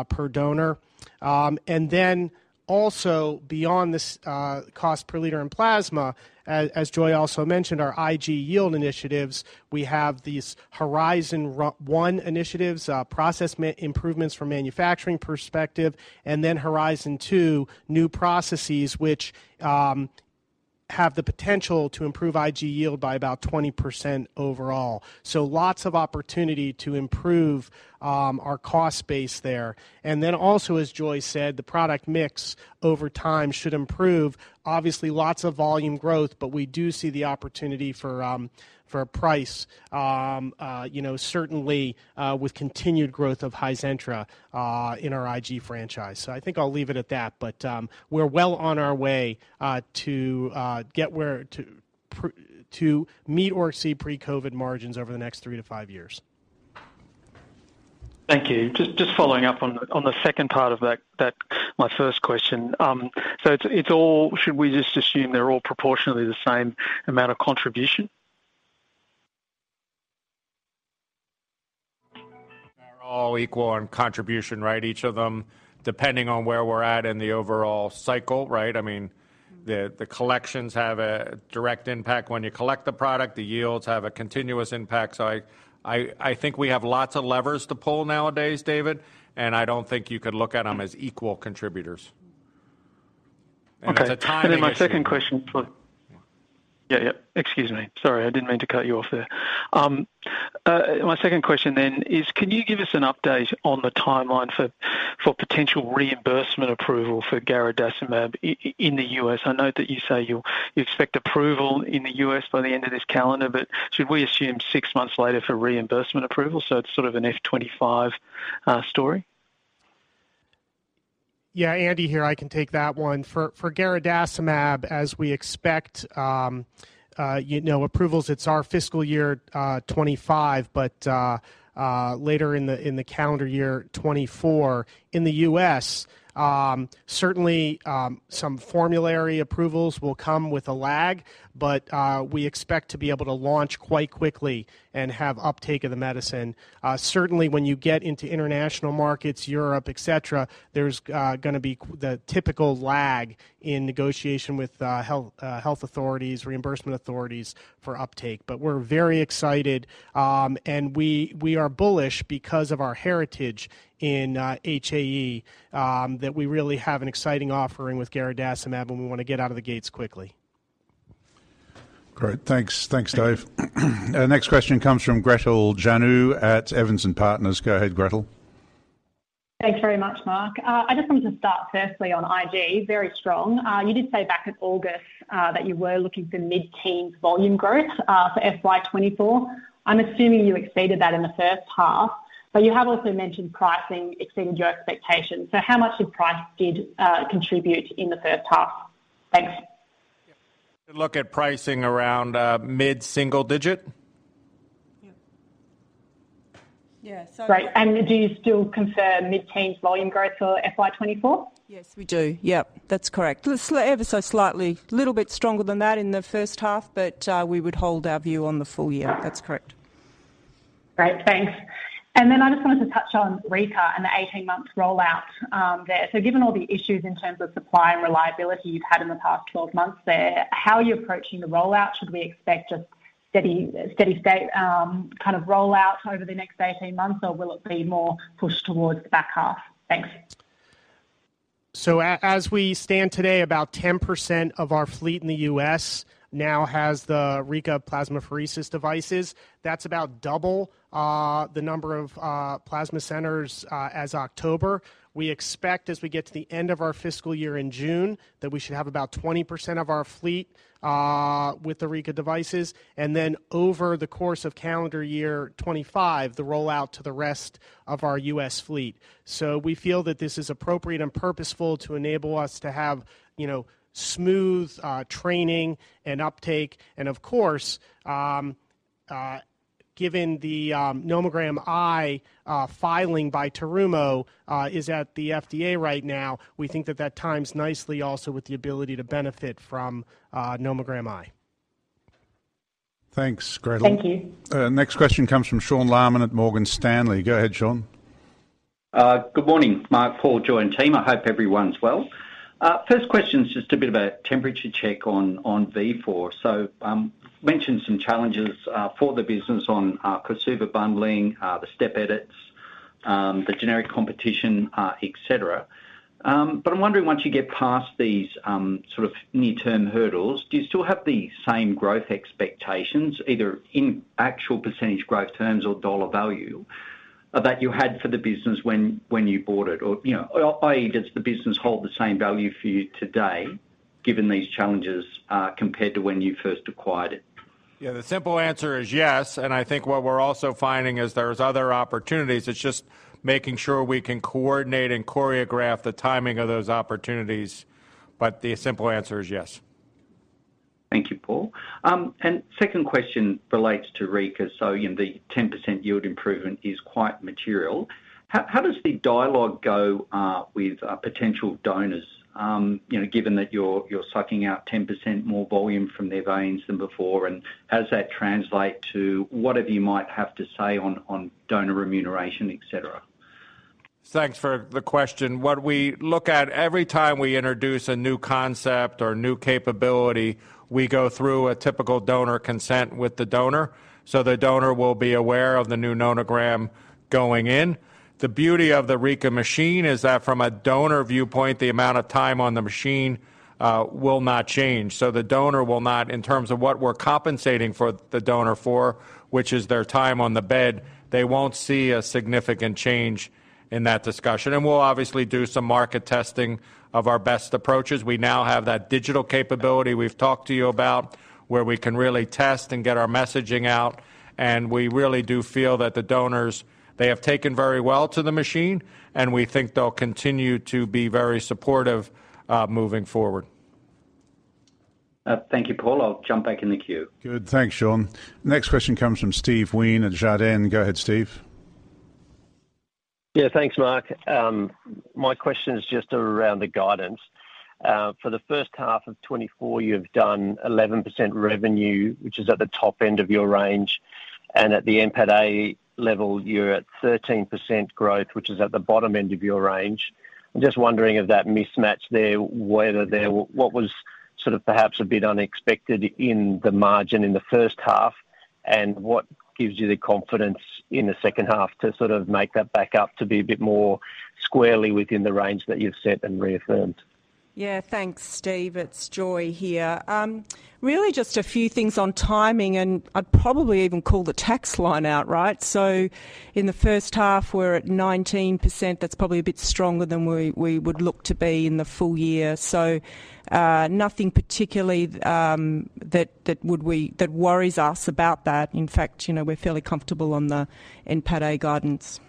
per donor. And then also beyond this, cost per liter in plasma, as Joy also mentioned, our IG yield initiatives, we have these Horizon 1 initiatives, process improvements from manufacturing perspective, and then Horizon 2, new processes which have the potential to improve IG yield by about 20% overall. So lots of opportunity to improve our cost base there. And then also, as Joy said, the product mix over time should improve. Obviously, lots of volume growth, but we do see the opportunity for a price, you know, certainly with continued growth of HIZENTRA in our IG franchise. So I think I'll leave it at that, but we're well on our way to meet or see pre-COVID margins over the next three to five years. Thank you. Just following up on the second part of that, my first question. So it's all... Should we just assume they're all proportionally the same amount of contribution? They're all equal on contribution, right? Each of them, depending on where we're at in the overall cycle, right? I mean, the collections have a direct impact. When you collect the product, the yields have a continuous impact. So I think we have lots of levers to pull nowadays, David, and I don't think you could look at them as equal contributors. Okay. It's a timing issue- And then my second question... Yeah, yeah. Excuse me. Sorry, I didn't mean to cut you off there. My second question then is, can you give us an update on the timeline for potential reimbursement approval for garadacimab in the U.S.? I know that you say you expect approval in the U.S. by the end of this calendar, but should we assume six months later for reimbursement approval, so it's sort of an FY 2025 story? Yeah, Andy here. I can take that one. For garadacimab, as we expect, you know, approvals, it's our fiscal year 2025, but later in the calendar year 2024. In the U.S., certainly, some formulary approvals will come with a lag, but we expect to be able to launch quite quickly and have uptake of the medicine. Certainly, when you get into international markets, Europe, et cetera, there's gonna be the typical lag in negotiation with health authorities, reimbursement authorities for uptake. But we're very excited, and we are bullish because of our heritage in HAE, that we really have an exciting offering with garadacimab, and we want to get out of the gates quickly. ... Great, thanks. Thanks, Dave. Our next question comes from Gretel Janu at Evans & Partners. Go ahead, Gretel. Thanks very much, Mark. I just wanted to start, firstly, on Ig, very strong. You did say back in August that you were looking for mid-teens volume growth for FY 2024. I'm assuming you exceeded that in the H1, but you have also mentioned pricing exceeded your expectations. So how much did price contribute in the H1? Thanks. Look at pricing around mid-single digit? Yeah. Yeah, so- Great. Do you still confirm mid-teens volume growth for FY 2024? Yes, we do. Yep, that's correct. Ever so slightly, little bit stronger than that in the H1, but, we would hold our view on the full year. That's correct. Great, thanks. Then I just wanted to touch on Rika and the 18-month rollout there. So given all the issues in terms of supply and reliability you've had in the past 12 months there, how are you approaching the rollout? Should we expect a steady, steady state kind of rollout over the next 18 months, or will it be more pushed towards the back half? Thanks. So as we stand today, about 10% of our fleet in the U.S. now has the Rika plasmapheresis devices. That's about double the number of plasma centers as October. We expect, as we get to the end of our fiscal year in June, that we should have about 20% of our fleet with the Rika devices, and then over the course of calendar year 2025, the rollout to the rest of our U.S. fleet. So we feel that this is appropriate and purposeful to enable us to have, you know, smooth training and uptake. And of course, given the iNomogram filing by Terumo is at the FDA right now, we think that that times nicely also with the ability to benefit from iNomogram. Thanks, Gretel. Thank you. Next question comes from Sean Laaman at Morgan Stanley. Go ahead, Sean. Good morning, Mark, Paul, Joy, and team. I hope everyone's well. First question is just a bit of a temperature check on, on V4. So, mentioned some challenges, for the business on, consumer bundling, the step edits, the generic competition, et cetera. But I'm wondering, once you get past these, sort of near-term hurdles, do you still have the same growth expectations, either in actual percentage growth terms or dollar value, that you had for the business when, when you bought it? Or, you know, i.e., does the business hold the same value for you today, given these challenges, compared to when you first acquired it? Yeah, the simple answer is yes, and I think what we're also finding is there's other opportunities. It's just making sure we can coordinate and choreograph the timing of those opportunities. But the simple answer is yes. Thank you, Paul. And second question relates to Rika. So, you know, the 10% yield improvement is quite material. How does the dialogue go with potential donors? You know, given that you're sucking out 10% more volume from their veins than before, and how does that translate to whatever you might have to say on donor remuneration, et cetera? Thanks for the question. What we look at every time we introduce a new concept or new capability, we go through a typical donor consent with the donor, so the donor will be aware of the new iNomogram going in. The beauty of the Rika machine is that from a donor viewpoint, the amount of time on the machine will not change. So the donor will not, in terms of what we're compensating for the donor for, which is their time on the bed, they won't see a significant change in that discussion. And we'll obviously do some market testing of our best approaches. We now have that digital capability we've talked to you about, where we can really test and get our messaging out, and we really do feel that the donors, they have taken very well to the machine, and we think they'll continue to be very supportive, moving forward. Thank you, Paul. I'll jump back in the queue. Good. Thanks, Sean. Next question comes from Steve Wheen at Jarden. Go ahead, Steve. Yeah, thanks, Mark. My question is just around the guidance. For the H1 of 2024, you've done 11% revenue, which is at the top end of your range, and at the NPATA level, you're at 13% growth, which is at the bottom end of your range. I'm just wondering if that mismatch there, whether there was sort of perhaps a bit unexpected in the margin in the H1, and what gives you the confidence in the H2 to sort of make that back up to be a bit more squarely within the range that you've set and reaffirmed? Yeah. Thanks, Steve. It's Joy here. Really, just a few things on timing, and I'd probably even call the tax line out, right? So in the H1, we're at 19%. That's probably a bit stronger than we would look to be in the full year. So, nothing particularly that worries us about that. In fact, you know, we're fairly comfortable on the NPATA guidance.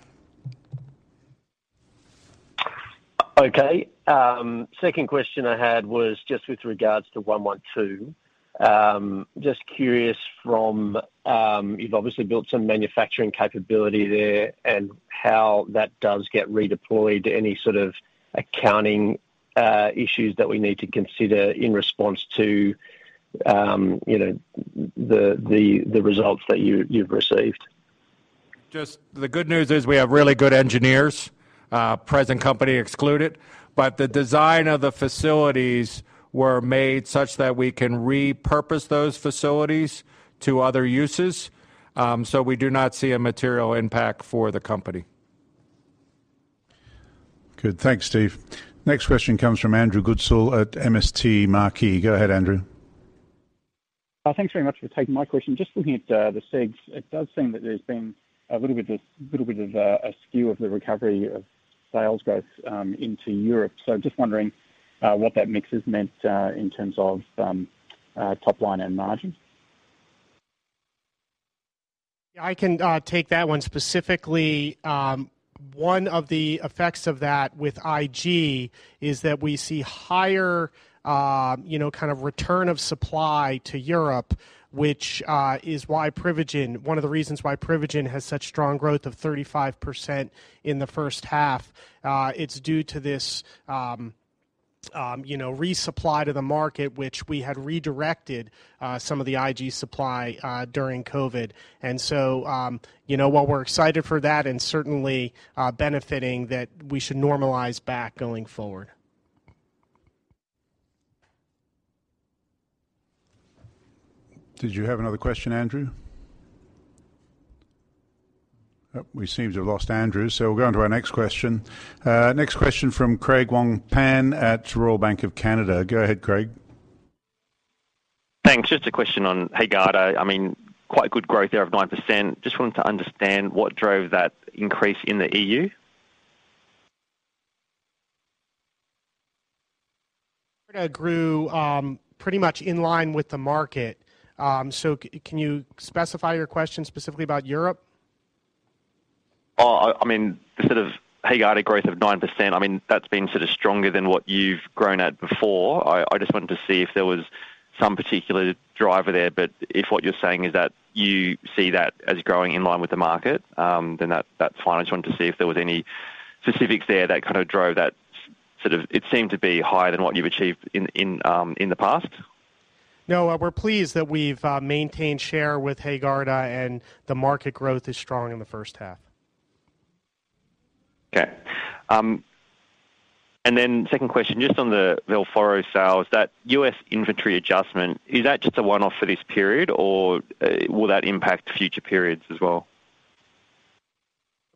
Okay. Second question I had was just with regards to 112. Just curious from... You've obviously built some manufacturing capability there and how that does get redeployed. Any sort of accounting issues that we need to consider in response to, you know, the results that you've received? Just the good news is we have really good engineers, present company excluded, but the design of the facilities were made such that we can repurpose those facilities to other uses. So we do not see a material impact for the company.... Good. Thanks, Steve. Next question comes from Andrew Goodsall at MST Marquee. Go ahead, Andrew. Thanks very much for taking my question. Just looking at the segs, it does seem that there's been a little bit of a skew of the recovery of sales growth into Europe. So just wondering what that mix has meant in terms of top line and margins? I can take that one specifically. One of the effects of that with Ig is that we see higher, you know, kind of return of supply to Europe, which is why Privigen—one of the reasons why Privigen has such strong growth of 35% in the H1. It's due to this, you know, resupply to the market, which we had redirected some of the Ig supply during COVID. And so, you know, while we're excited for that and certainly benefiting that we should normalize back going forward. Did you have another question, Andrew? We seem to have lost Andrew, so we'll go on to our next question. Next question from Craig Wong-Pan at Royal Bank of Canada. Go ahead, Craig. Thanks. Just a question on HAEGARDA. I mean, quite good growth there of 9%. Just wanted to understand what drove that increase in the E.U. HAEGARDA grew pretty much in line with the market. So can you specify your question specifically about Europe? I mean, the sort of HAEGARDA growth of 9%, I mean, that's been sort of stronger than what you've grown at before. I just wanted to see if there was some particular driver there, but if what you're saying is that you see that as growing in line with the market, then that's fine. I just wanted to see if there was any specifics there that kind of drove that sort of... It seemed to be higher than what you've achieved in the past. No, we're pleased that we've maintained share with HAEGARDA, and the market growth is strong in the H1. Okay. And then second question, just on the Velforo sales, that U.S. inventory adjustment, is that just a one-off for this period, or will that impact future periods as well?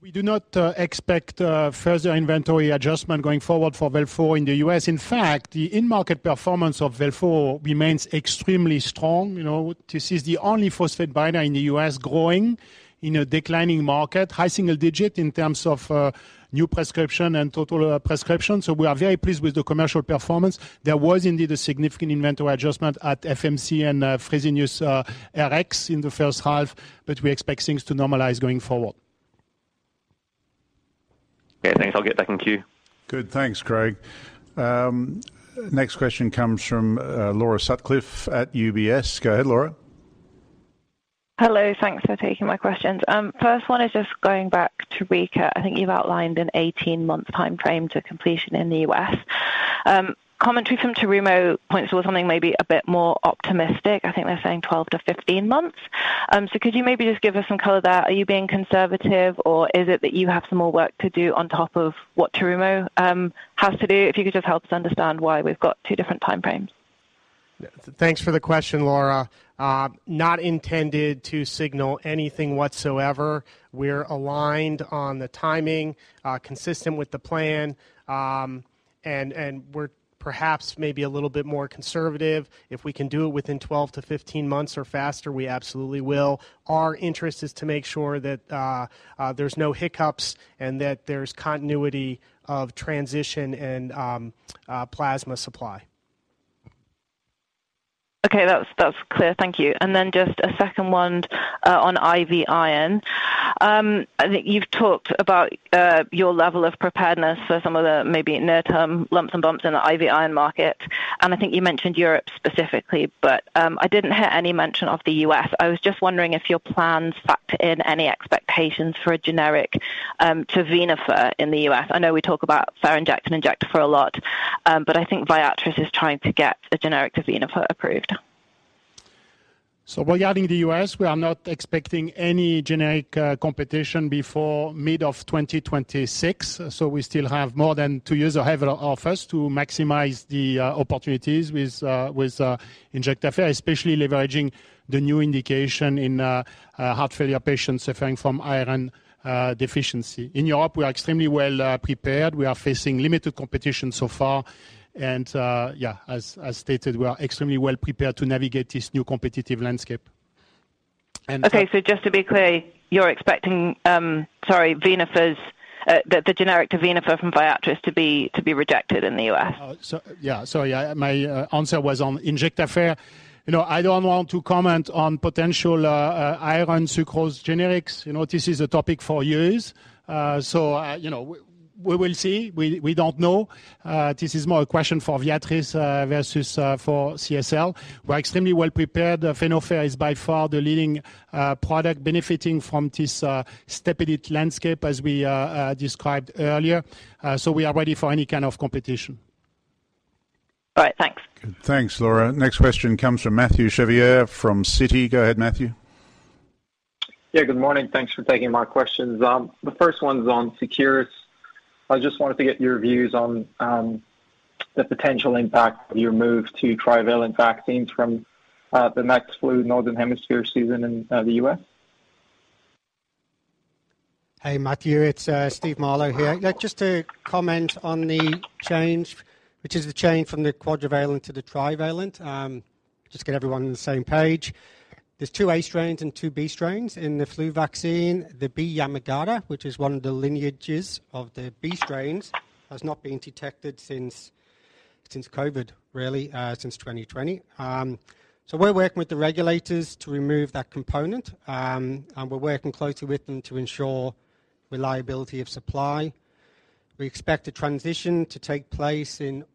We do not expect further inventory adjustment going forward for Velforo in the U.S. In fact, the in-market performance of Velforo remains extremely strong. You know, this is the only phosphate binder in the U.S. growing in a declining market. High single digit in terms of new prescription and total prescription, so we are very pleased with the commercial performance. There was indeed a significant inventory adjustment at FMC and Fresenius Rx in the H1, but we expect things to normalize going forward. Okay, thanks. I'll get back in queue. Good. Thanks, Craig. Next question comes from, Laura Sutcliffe at UBS. Go ahead, Laura. Hello. Thanks for taking my questions. First one is just going back to Rika. I think you've outlined an 18-month timeframe to completion in the U.S. Commentary from Terumo points towards something maybe a bit more optimistic. I think they're saying 12-15 months. So could you maybe just give us some color there? Are you being conservative, or is it that you have some more work to do on top of what Terumo has to do? If you could just help us understand why we've got two different timeframes. Thanks for the question, Laura. Not intended to signal anything whatsoever. We're aligned on the timing, consistent with the plan, and we're perhaps maybe a little bit more conservative. If we can do it within 12-15 months or faster, we absolutely will. Our interest is to make sure that there's no hiccups and that there's continuity of transition and plasma supply. Okay, that's, that's clear. Thank you. And then just a second one on IV iron. I think you've talked about your level of preparedness for some of the maybe near-term lumps and bumps in the IV iron market, and I think you mentioned Europe specifically, but I didn't hear any mention of the U.S. I was just wondering if your plans factored in any expectations for a generic to Venofer in the U.S. I know we talk about Ferinject and Injectafer a lot, but I think Viatris is trying to get a generic Venofer approved. So regarding the U.S., we are not expecting any generic competition before mid-2026, so we still have more than two years ahead of us to maximize the opportunities with Injectafer, especially leveraging the new indication in heart failure patients suffering from iron deficiency. In Europe, we are extremely well prepared. We are facing limited competition so far, and yeah, as stated, we are extremely well prepared to navigate this new competitive landscape. And- Okay, so just to be clear, you're expecting... Sorry, Venofer's the generic to Venofer from Viatris to be rejected in the U.S.? So, yeah. Sorry, my answer was on Injectafer. You know, I don't want to comment on potential iron sucrose generics. You know, this is a topic for years. So, you know, we will see. We don't know. This is more a question for Viatris versus for CSL. We're extremely well prepared. Venofer is by far the leading product benefiting from this step edit landscape, as we described earlier. So we are ready for any kind of competition. All right, thanks. Thanks, Laura. Next question comes from Mathieu Chevrier from Citi. Go ahead, Mathieu. Yeah, good morning. Thanks for taking my questions. The first one's on Seqirus. I just wanted to get your views on, the potential impact of your move to trivalent vaccines from, the next flu northern hemisphere season in, the U.S. Hey, Mathieu, it's Stephen Marlow here. Yeah, just to comment on the change, which is the change from the quadrivalent to the trivalent. Just get everyone on the same page. There's two A strains and two B strains in the flu vaccine. The B Yamagata, which is one of the lineages of the B strains, has not been detected since COVID, really, since 2020. So we're working with the regulators to remove that component, and we're working closely with them to ensure reliability of supply. We expect the transition to take place in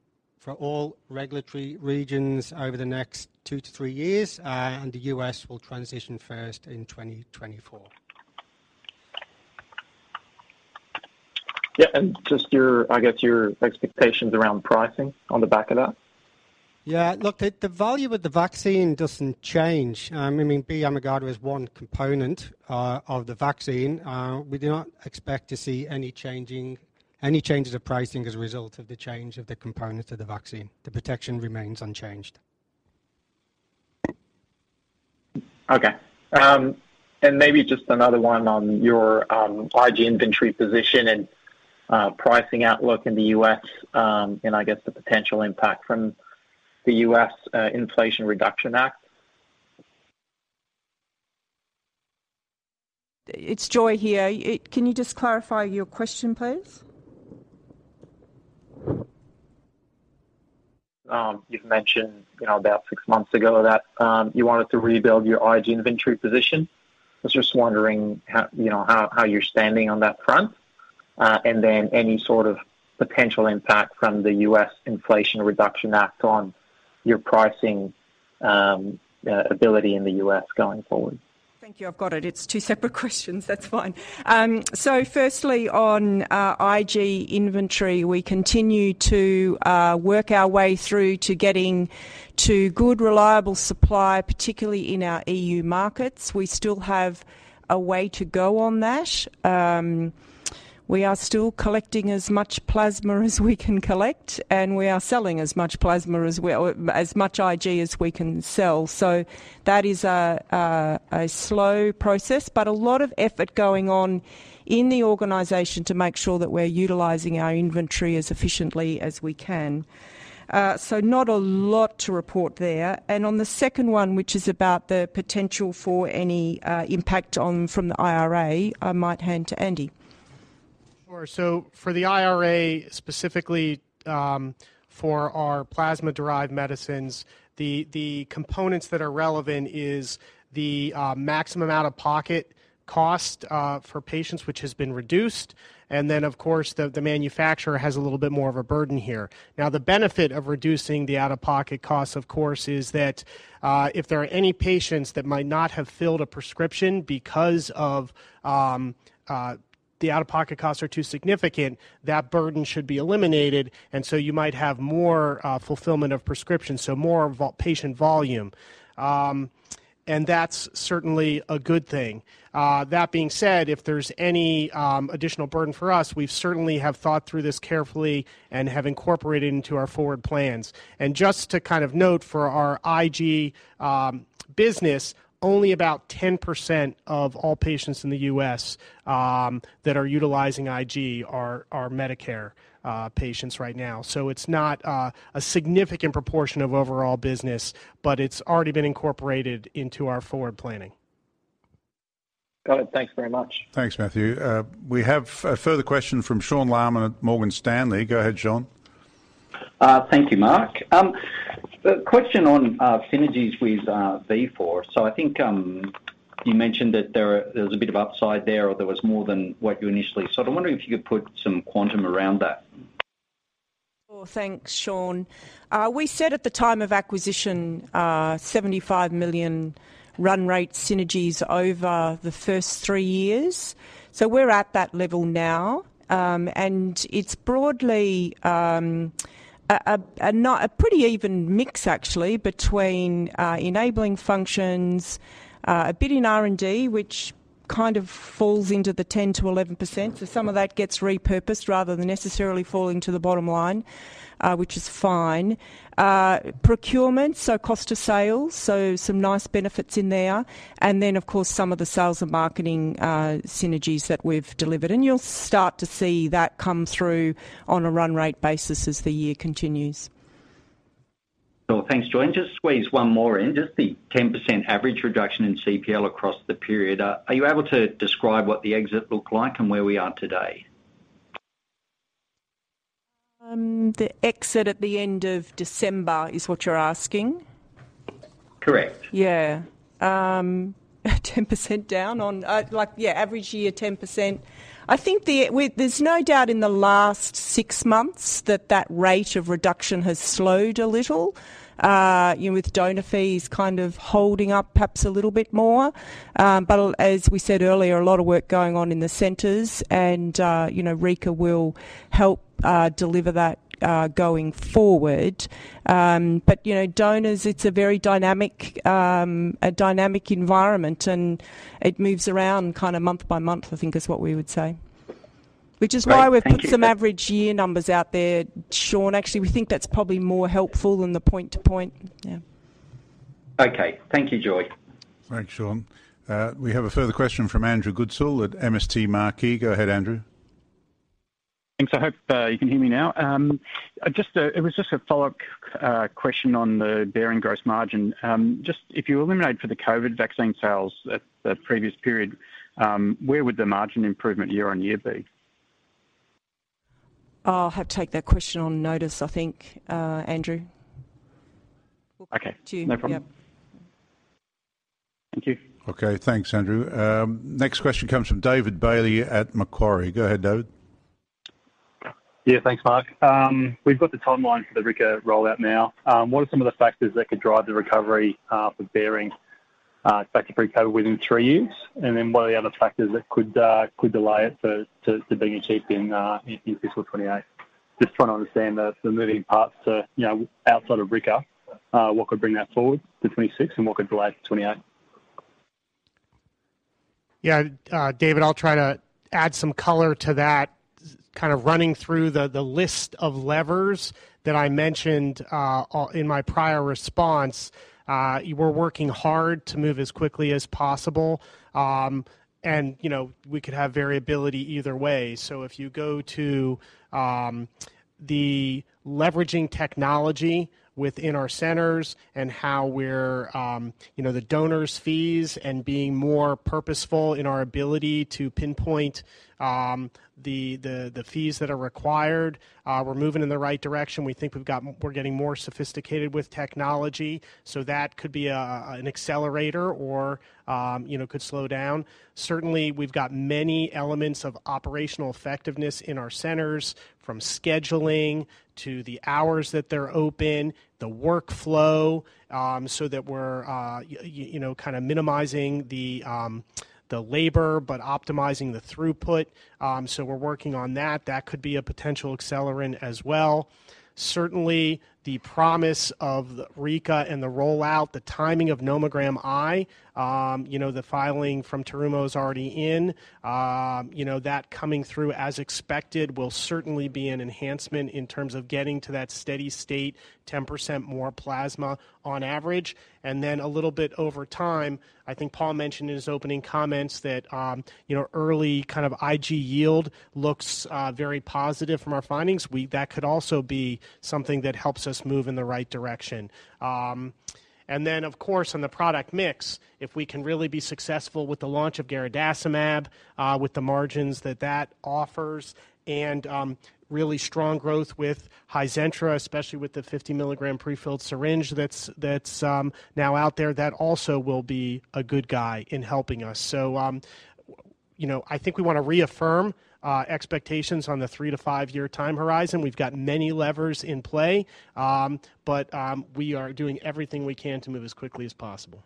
for all regulatory regions over the next two to three years, and the U.S. will transition first in 2024. Yeah, and just your, I guess, your expectations around pricing on the back of that? Yeah, look, the value of the vaccine doesn't change. I mean, B Yamagata is one component of the vaccine. We do not expect to see any changes of pricing as a result of the change of the components of the vaccine. The protection remains unchanged. Okay. And maybe just another one on your IG inventory position and pricing outlook in the U.S., and I guess the potential impact from the U.S. Inflation Reduction Act. It's Joy here. Can you just clarify your question, please? You've mentioned, you know, about six months ago that you wanted to rebuild your IG inventory position. I was just wondering how, you know, how you're standing on that front? And then any sort of potential impact from the US Inflation Reduction Act on your pricing ability in the US going forward? Thank you. I've got it. It's two separate questions. That's fine. So firstly, on IG inventory, we continue to work our way through to getting to good, reliable supply, particularly in our E.U. markets. We still have a way to go on that. We are still collecting as much plasma as we can collect, and we are selling as much plasma as well... or as much IG as we can sell. So that is a slow process, but a lot of effort going on in the organization to make sure that we're utilizing our inventory as efficiently as we can. So not a lot to report there. And on the second one, which is about the potential for any impact on from the IRA, I might hand to Andy. Sure. So for the IRA, specifically, for our plasma-derived medicines, the components that are relevant is the maximum out-of-pocket cost for patients, which has been reduced, and then, of course, the manufacturer has a little bit more of a burden here. Now, the benefit of reducing the out-of-pocket costs, of course, is that if there are any patients that might not have filled a prescription because of the out-of-pocket costs are too significant, that burden should be eliminated, and so you might have more fulfillment of prescriptions, so more patient volume. And that's certainly a good thing. That being said, if there's any additional burden for us, we certainly have thought through this carefully and have incorporated into our forward plans. Just to kind of note, for our IG business, only about 10% of all patients in the U.S. that are utilizing IG are Medicare patients right now. So it's not a significant proportion of overall business, but it's already been incorporated into our forward planning. Got it. Thanks very much. Thanks, Mathieu. We have a further question from Sean Laaman at Morgan Stanley. Go ahead, Sean. Thank you, Mark. A question on synergies with Vifor. So I think you mentioned that there was a bit of upside there, or there was more than what you initially... So I'm wondering if you could put some quantum around that. Well, thanks, Sean. We said at the time of acquisition, $75 million run rate synergies over the first three years, so we're at that level now. And it's broadly, a pretty even mix actually between, enabling functions, a bit in R&D, which kind of falls into the 10%-11%. So some of that gets repurposed rather than necessarily falling to the bottom line, which is fine. Procurement, so cost to sales, so some nice benefits in there. And then, of course, some of the sales and marketing, synergies that we've delivered, and you'll start to see that come through on a run-rate basis as the year continues. Cool. Thanks, Joy, and just squeeze one more in. Just the 10% average reduction in CPL across the period, are you able to describe what the exit looked like and where we are today? The exit at the end of December is what you're asking? Correct. Yeah. 10% down on, like, yeah, average year, 10%. I think the, we- there's no doubt in the last six months that that rate of reduction has slowed a little, you know, with donor fees kind of holding up perhaps a little bit more. But as we said earlier, a lot of work going on in the centers, and, you know, Rika will help deliver that going forward. But, you know, donors, it's a very dynamic, a dynamic environment, and it moves around kind of month by month, I think is what we would say. Which is why we've put some average year numbers out there, Sean. Actually, we think that's probably more helpful than the point to point. Yeah.... Okay. Thank you, Joy. Thanks, Sean. We have a further question from Andrew Goodsall at MST Marquee. Go ahead, Andrew. Thanks. I hope you can hear me now. Just, it was just a follow-up question on the Behring gross margin. Just if you eliminate for the COVID vaccine sales at the previous period, where would the margin improvement year on year be? I'll have to take that question on notice, I think, Andrew. Okay. To you- No problem. Yep. Thank you. Okay, thanks, Andrew. Next question comes from David Bailey at Macquarie. Go ahead, David. Yeah, thanks, Mark. We've got the timeline for the Rika rollout now. What are some of the factors that could drive the recovery for Behring back to pre-COVID within three years? And then, what are the other factors that could delay it to being achieved in fiscal 2028? Just trying to understand the moving parts to, you know, outside of Rika, what could bring that forward to 2026 and what could delay to 2028? Yeah, David, I'll try to add some color to that. Kind of running through the list of levers that I mentioned in my prior response. We're working hard to move as quickly as possible. And, you know, we could have variability either way. So if you go to the leveraging technology within our centers and how we're, you know, the donors fees and being more purposeful in our ability to pinpoint the fees that are required, we're moving in the right direction. We think we've got we're getting more sophisticated with technology, so that could be an accelerator or, you know, could slow down. Certainly, we've got many elements of operational effectiveness in our centers, from scheduling to the hours that they're open, the workflow, so that we're, you know, kind of minimizing the, the labor, but optimizing the throughput. So we're working on that. That could be a potential accelerant as well. Certainly, the promise of Rika and the rollout, the timing of iNomogram, you know, the filing from Terumo is already in. You know, that coming through as expected will certainly be an enhancement in terms of getting to that steady state, 10% more plasma on average. And then a little bit over time, I think Paul mentioned in his opening comments that, you know, early kind of IG yield looks, very positive from our findings. That could also be something that helps us move in the right direction. And then, of course, on the product mix, if we can really be successful with the launch of Garadacimab, with the margins that that offers, and, really strong growth with HIZENTRA, especially with the 50 mg prefilled syringe that's now out there, that also will be a good guy in helping us. So, you know, I think we want to reaffirm expectations on the three-to-five-year time horizon. We've got many levers in play, but we are doing everything we can to move as quickly as possible.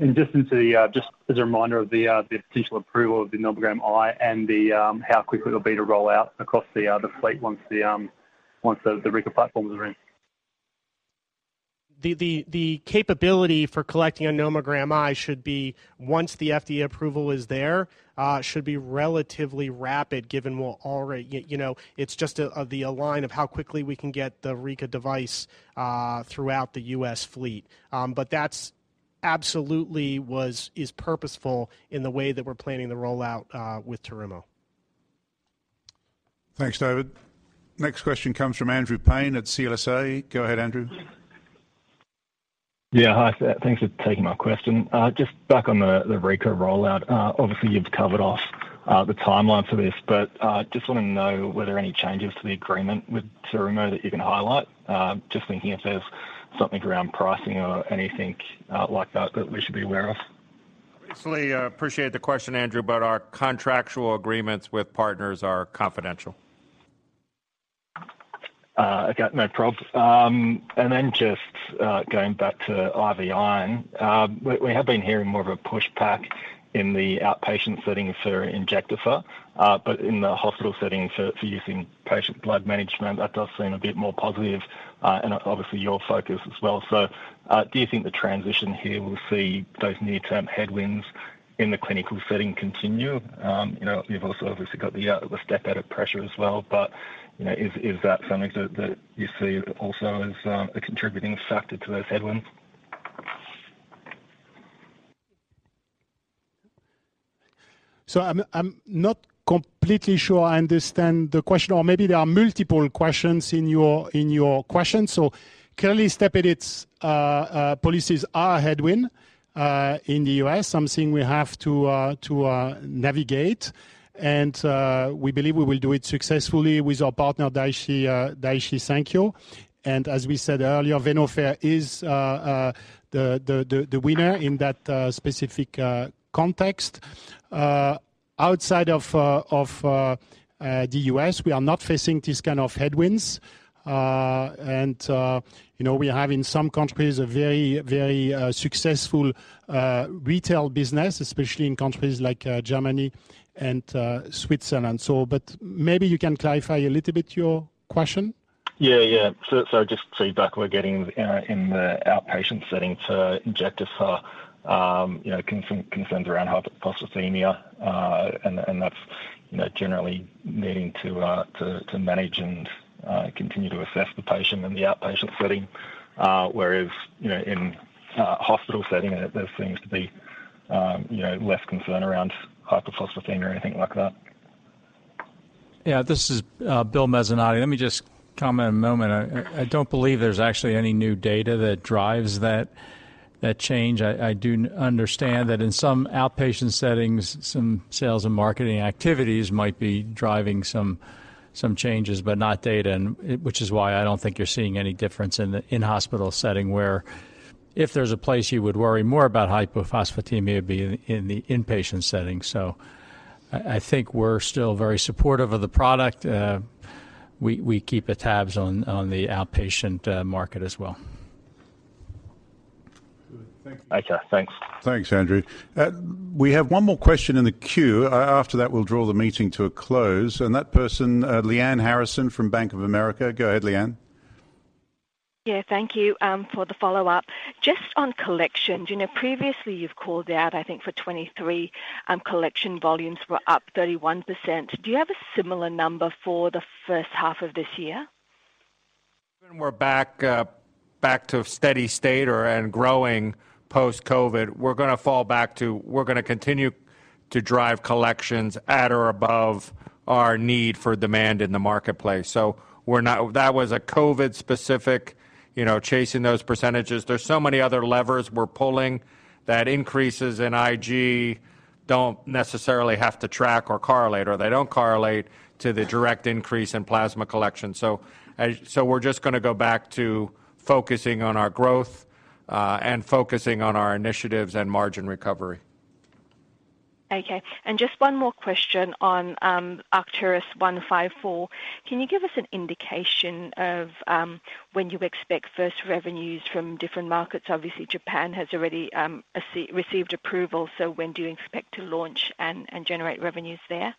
Just into the, just as a reminder of the potential approval of the iNomogram and how quickly it'll be to roll out across the fleet once the Rika platform is in. The capability for collecting an iNomogram should be, once the FDA approval is there, should be relatively rapid, given we're already, you know, it's just the align of how quickly we can get the Rika device throughout the U.S. fleet. But that's absolutely is purposeful in the way that we're planning the rollout with Terumo. Thanks, David. Next question comes from Andrew Paine at CLSA. Go ahead, Andrew. Yeah. Hi, thanks for taking my question. Just back on the Rika rollout. Obviously, you've covered off the timeline for this, but just want to know were there any changes to the agreement with Terumo that you can highlight? Just thinking if there's something around pricing or anything, like that, that we should be aware of. Obviously, I appreciate the question, Andrew, but our contractual agreements with partners are confidential. Okay, no prob. And then just, going back to IV iron. We have been hearing more of a pushback in the outpatient setting for Injectafer, but in the hospital setting for use in patient blood management, that does seem a bit more positive, and obviously, your focus as well. So, do you think the transition here will see those near-term headwinds in the clinical setting continue? You know, you've also obviously got the Step Edit pressure as well, but, you know, is that something that you see also as a contributing factor to those headwinds? I'm not completely sure I understand the question, or maybe there are multiple questions in your question. So clearly, Step Edit policies are a headwind in the U.S., something we have to navigate, and we believe we will do it successfully with our partner, Daiichi Sankyo. And as we said earlier, Venofer is the winner in that specific context. Outside of the U.S., we are not facing these kind of headwinds. And you know, we have, in some countries, a very, very successful retail business, especially in countries like Germany and Switzerland. But maybe you can clarify a little bit your question. Yeah, yeah. So, just feedback we're getting in the outpatient setting to Injectafer, you know, concerns around hypophosphatemia, and that's... you know, generally needing to manage and continue to assess the patient in the outpatient setting, whereas, you know, in a hospital setting, there seems to be you know, less concern around hypophosphatemia or anything like that. Yeah, this is Bill Mezzanotte. Let me just comment a moment. I don't believe there's actually any new data that drives that change. I do understand that in some outpatient settings, some sales and marketing activities might be driving some changes, but not data, and it—which is why I don't think you're seeing any difference in the in-hospital setting, where if there's a place you would worry more about hypophosphatemia, it'd be in the inpatient setting. So I think we're still very supportive of the product. We are keeping tabs on the outpatient market as well. Good. Thank you. Okay, thanks. Thanks, Andrew. We have one more question in the queue. After that, we'll draw the meeting to a close. That person, Lyanne Harrison from Bank of America. Go ahead, Leanne. Yeah, thank you, for the follow-up. Just on collections, you know, previously you've called out, I think, for 2023, collection volumes were up 31%. Do you have a similar number for the H1 of this year? When we're back, back to a steady state or and growing post-COVID, we're gonna fall back to. We're gonna continue to drive collections at or above our need for demand in the marketplace. So we're not. That was a COVID-specific, you know, chasing those percentages. There's so many other levers we're pulling that increases in IG don't necessarily have to track or correlate, or they don't correlate to the direct increase in plasma collection. So so we're just gonna go back to focusing on our growth, and focusing on our initiatives and margin recovery. Okay. Just one more question on ARCT-154. Can you give us an indication of when you expect first revenues from different markets? Obviously, Japan has already received approval, so when do you expect to launch and generate revenues there?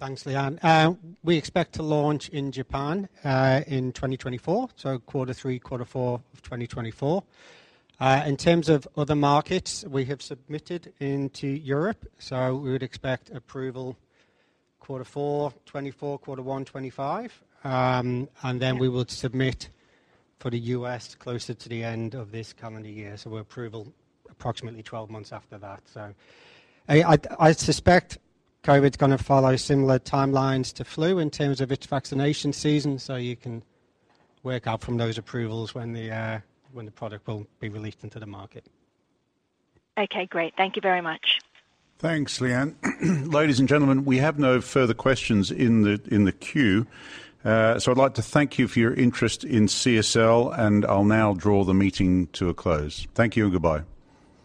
Thanks, Lyanne. We expect to launch in Japan in 2024, so Q3, Q4 of 2024. In terms of other markets, we have submitted into Europe, so we would expect approval Q4 2024, Q1 2025. And then we will submit for the U.S. closer to the end of this calendar year. So approval approximately 12 months after that. So I suspect COVID's gonna follow similar timelines to flu in terms of its vaccination season, so you can work out from those approvals when the product will be released into the market. Okay, great. Thank you very much. Thanks, Lyanne. Ladies and gentlemen, we have no further questions in the queue. So I'd like to thank you for your interest in CSL, and I'll now draw the meeting to a close. Thank you and goodbye.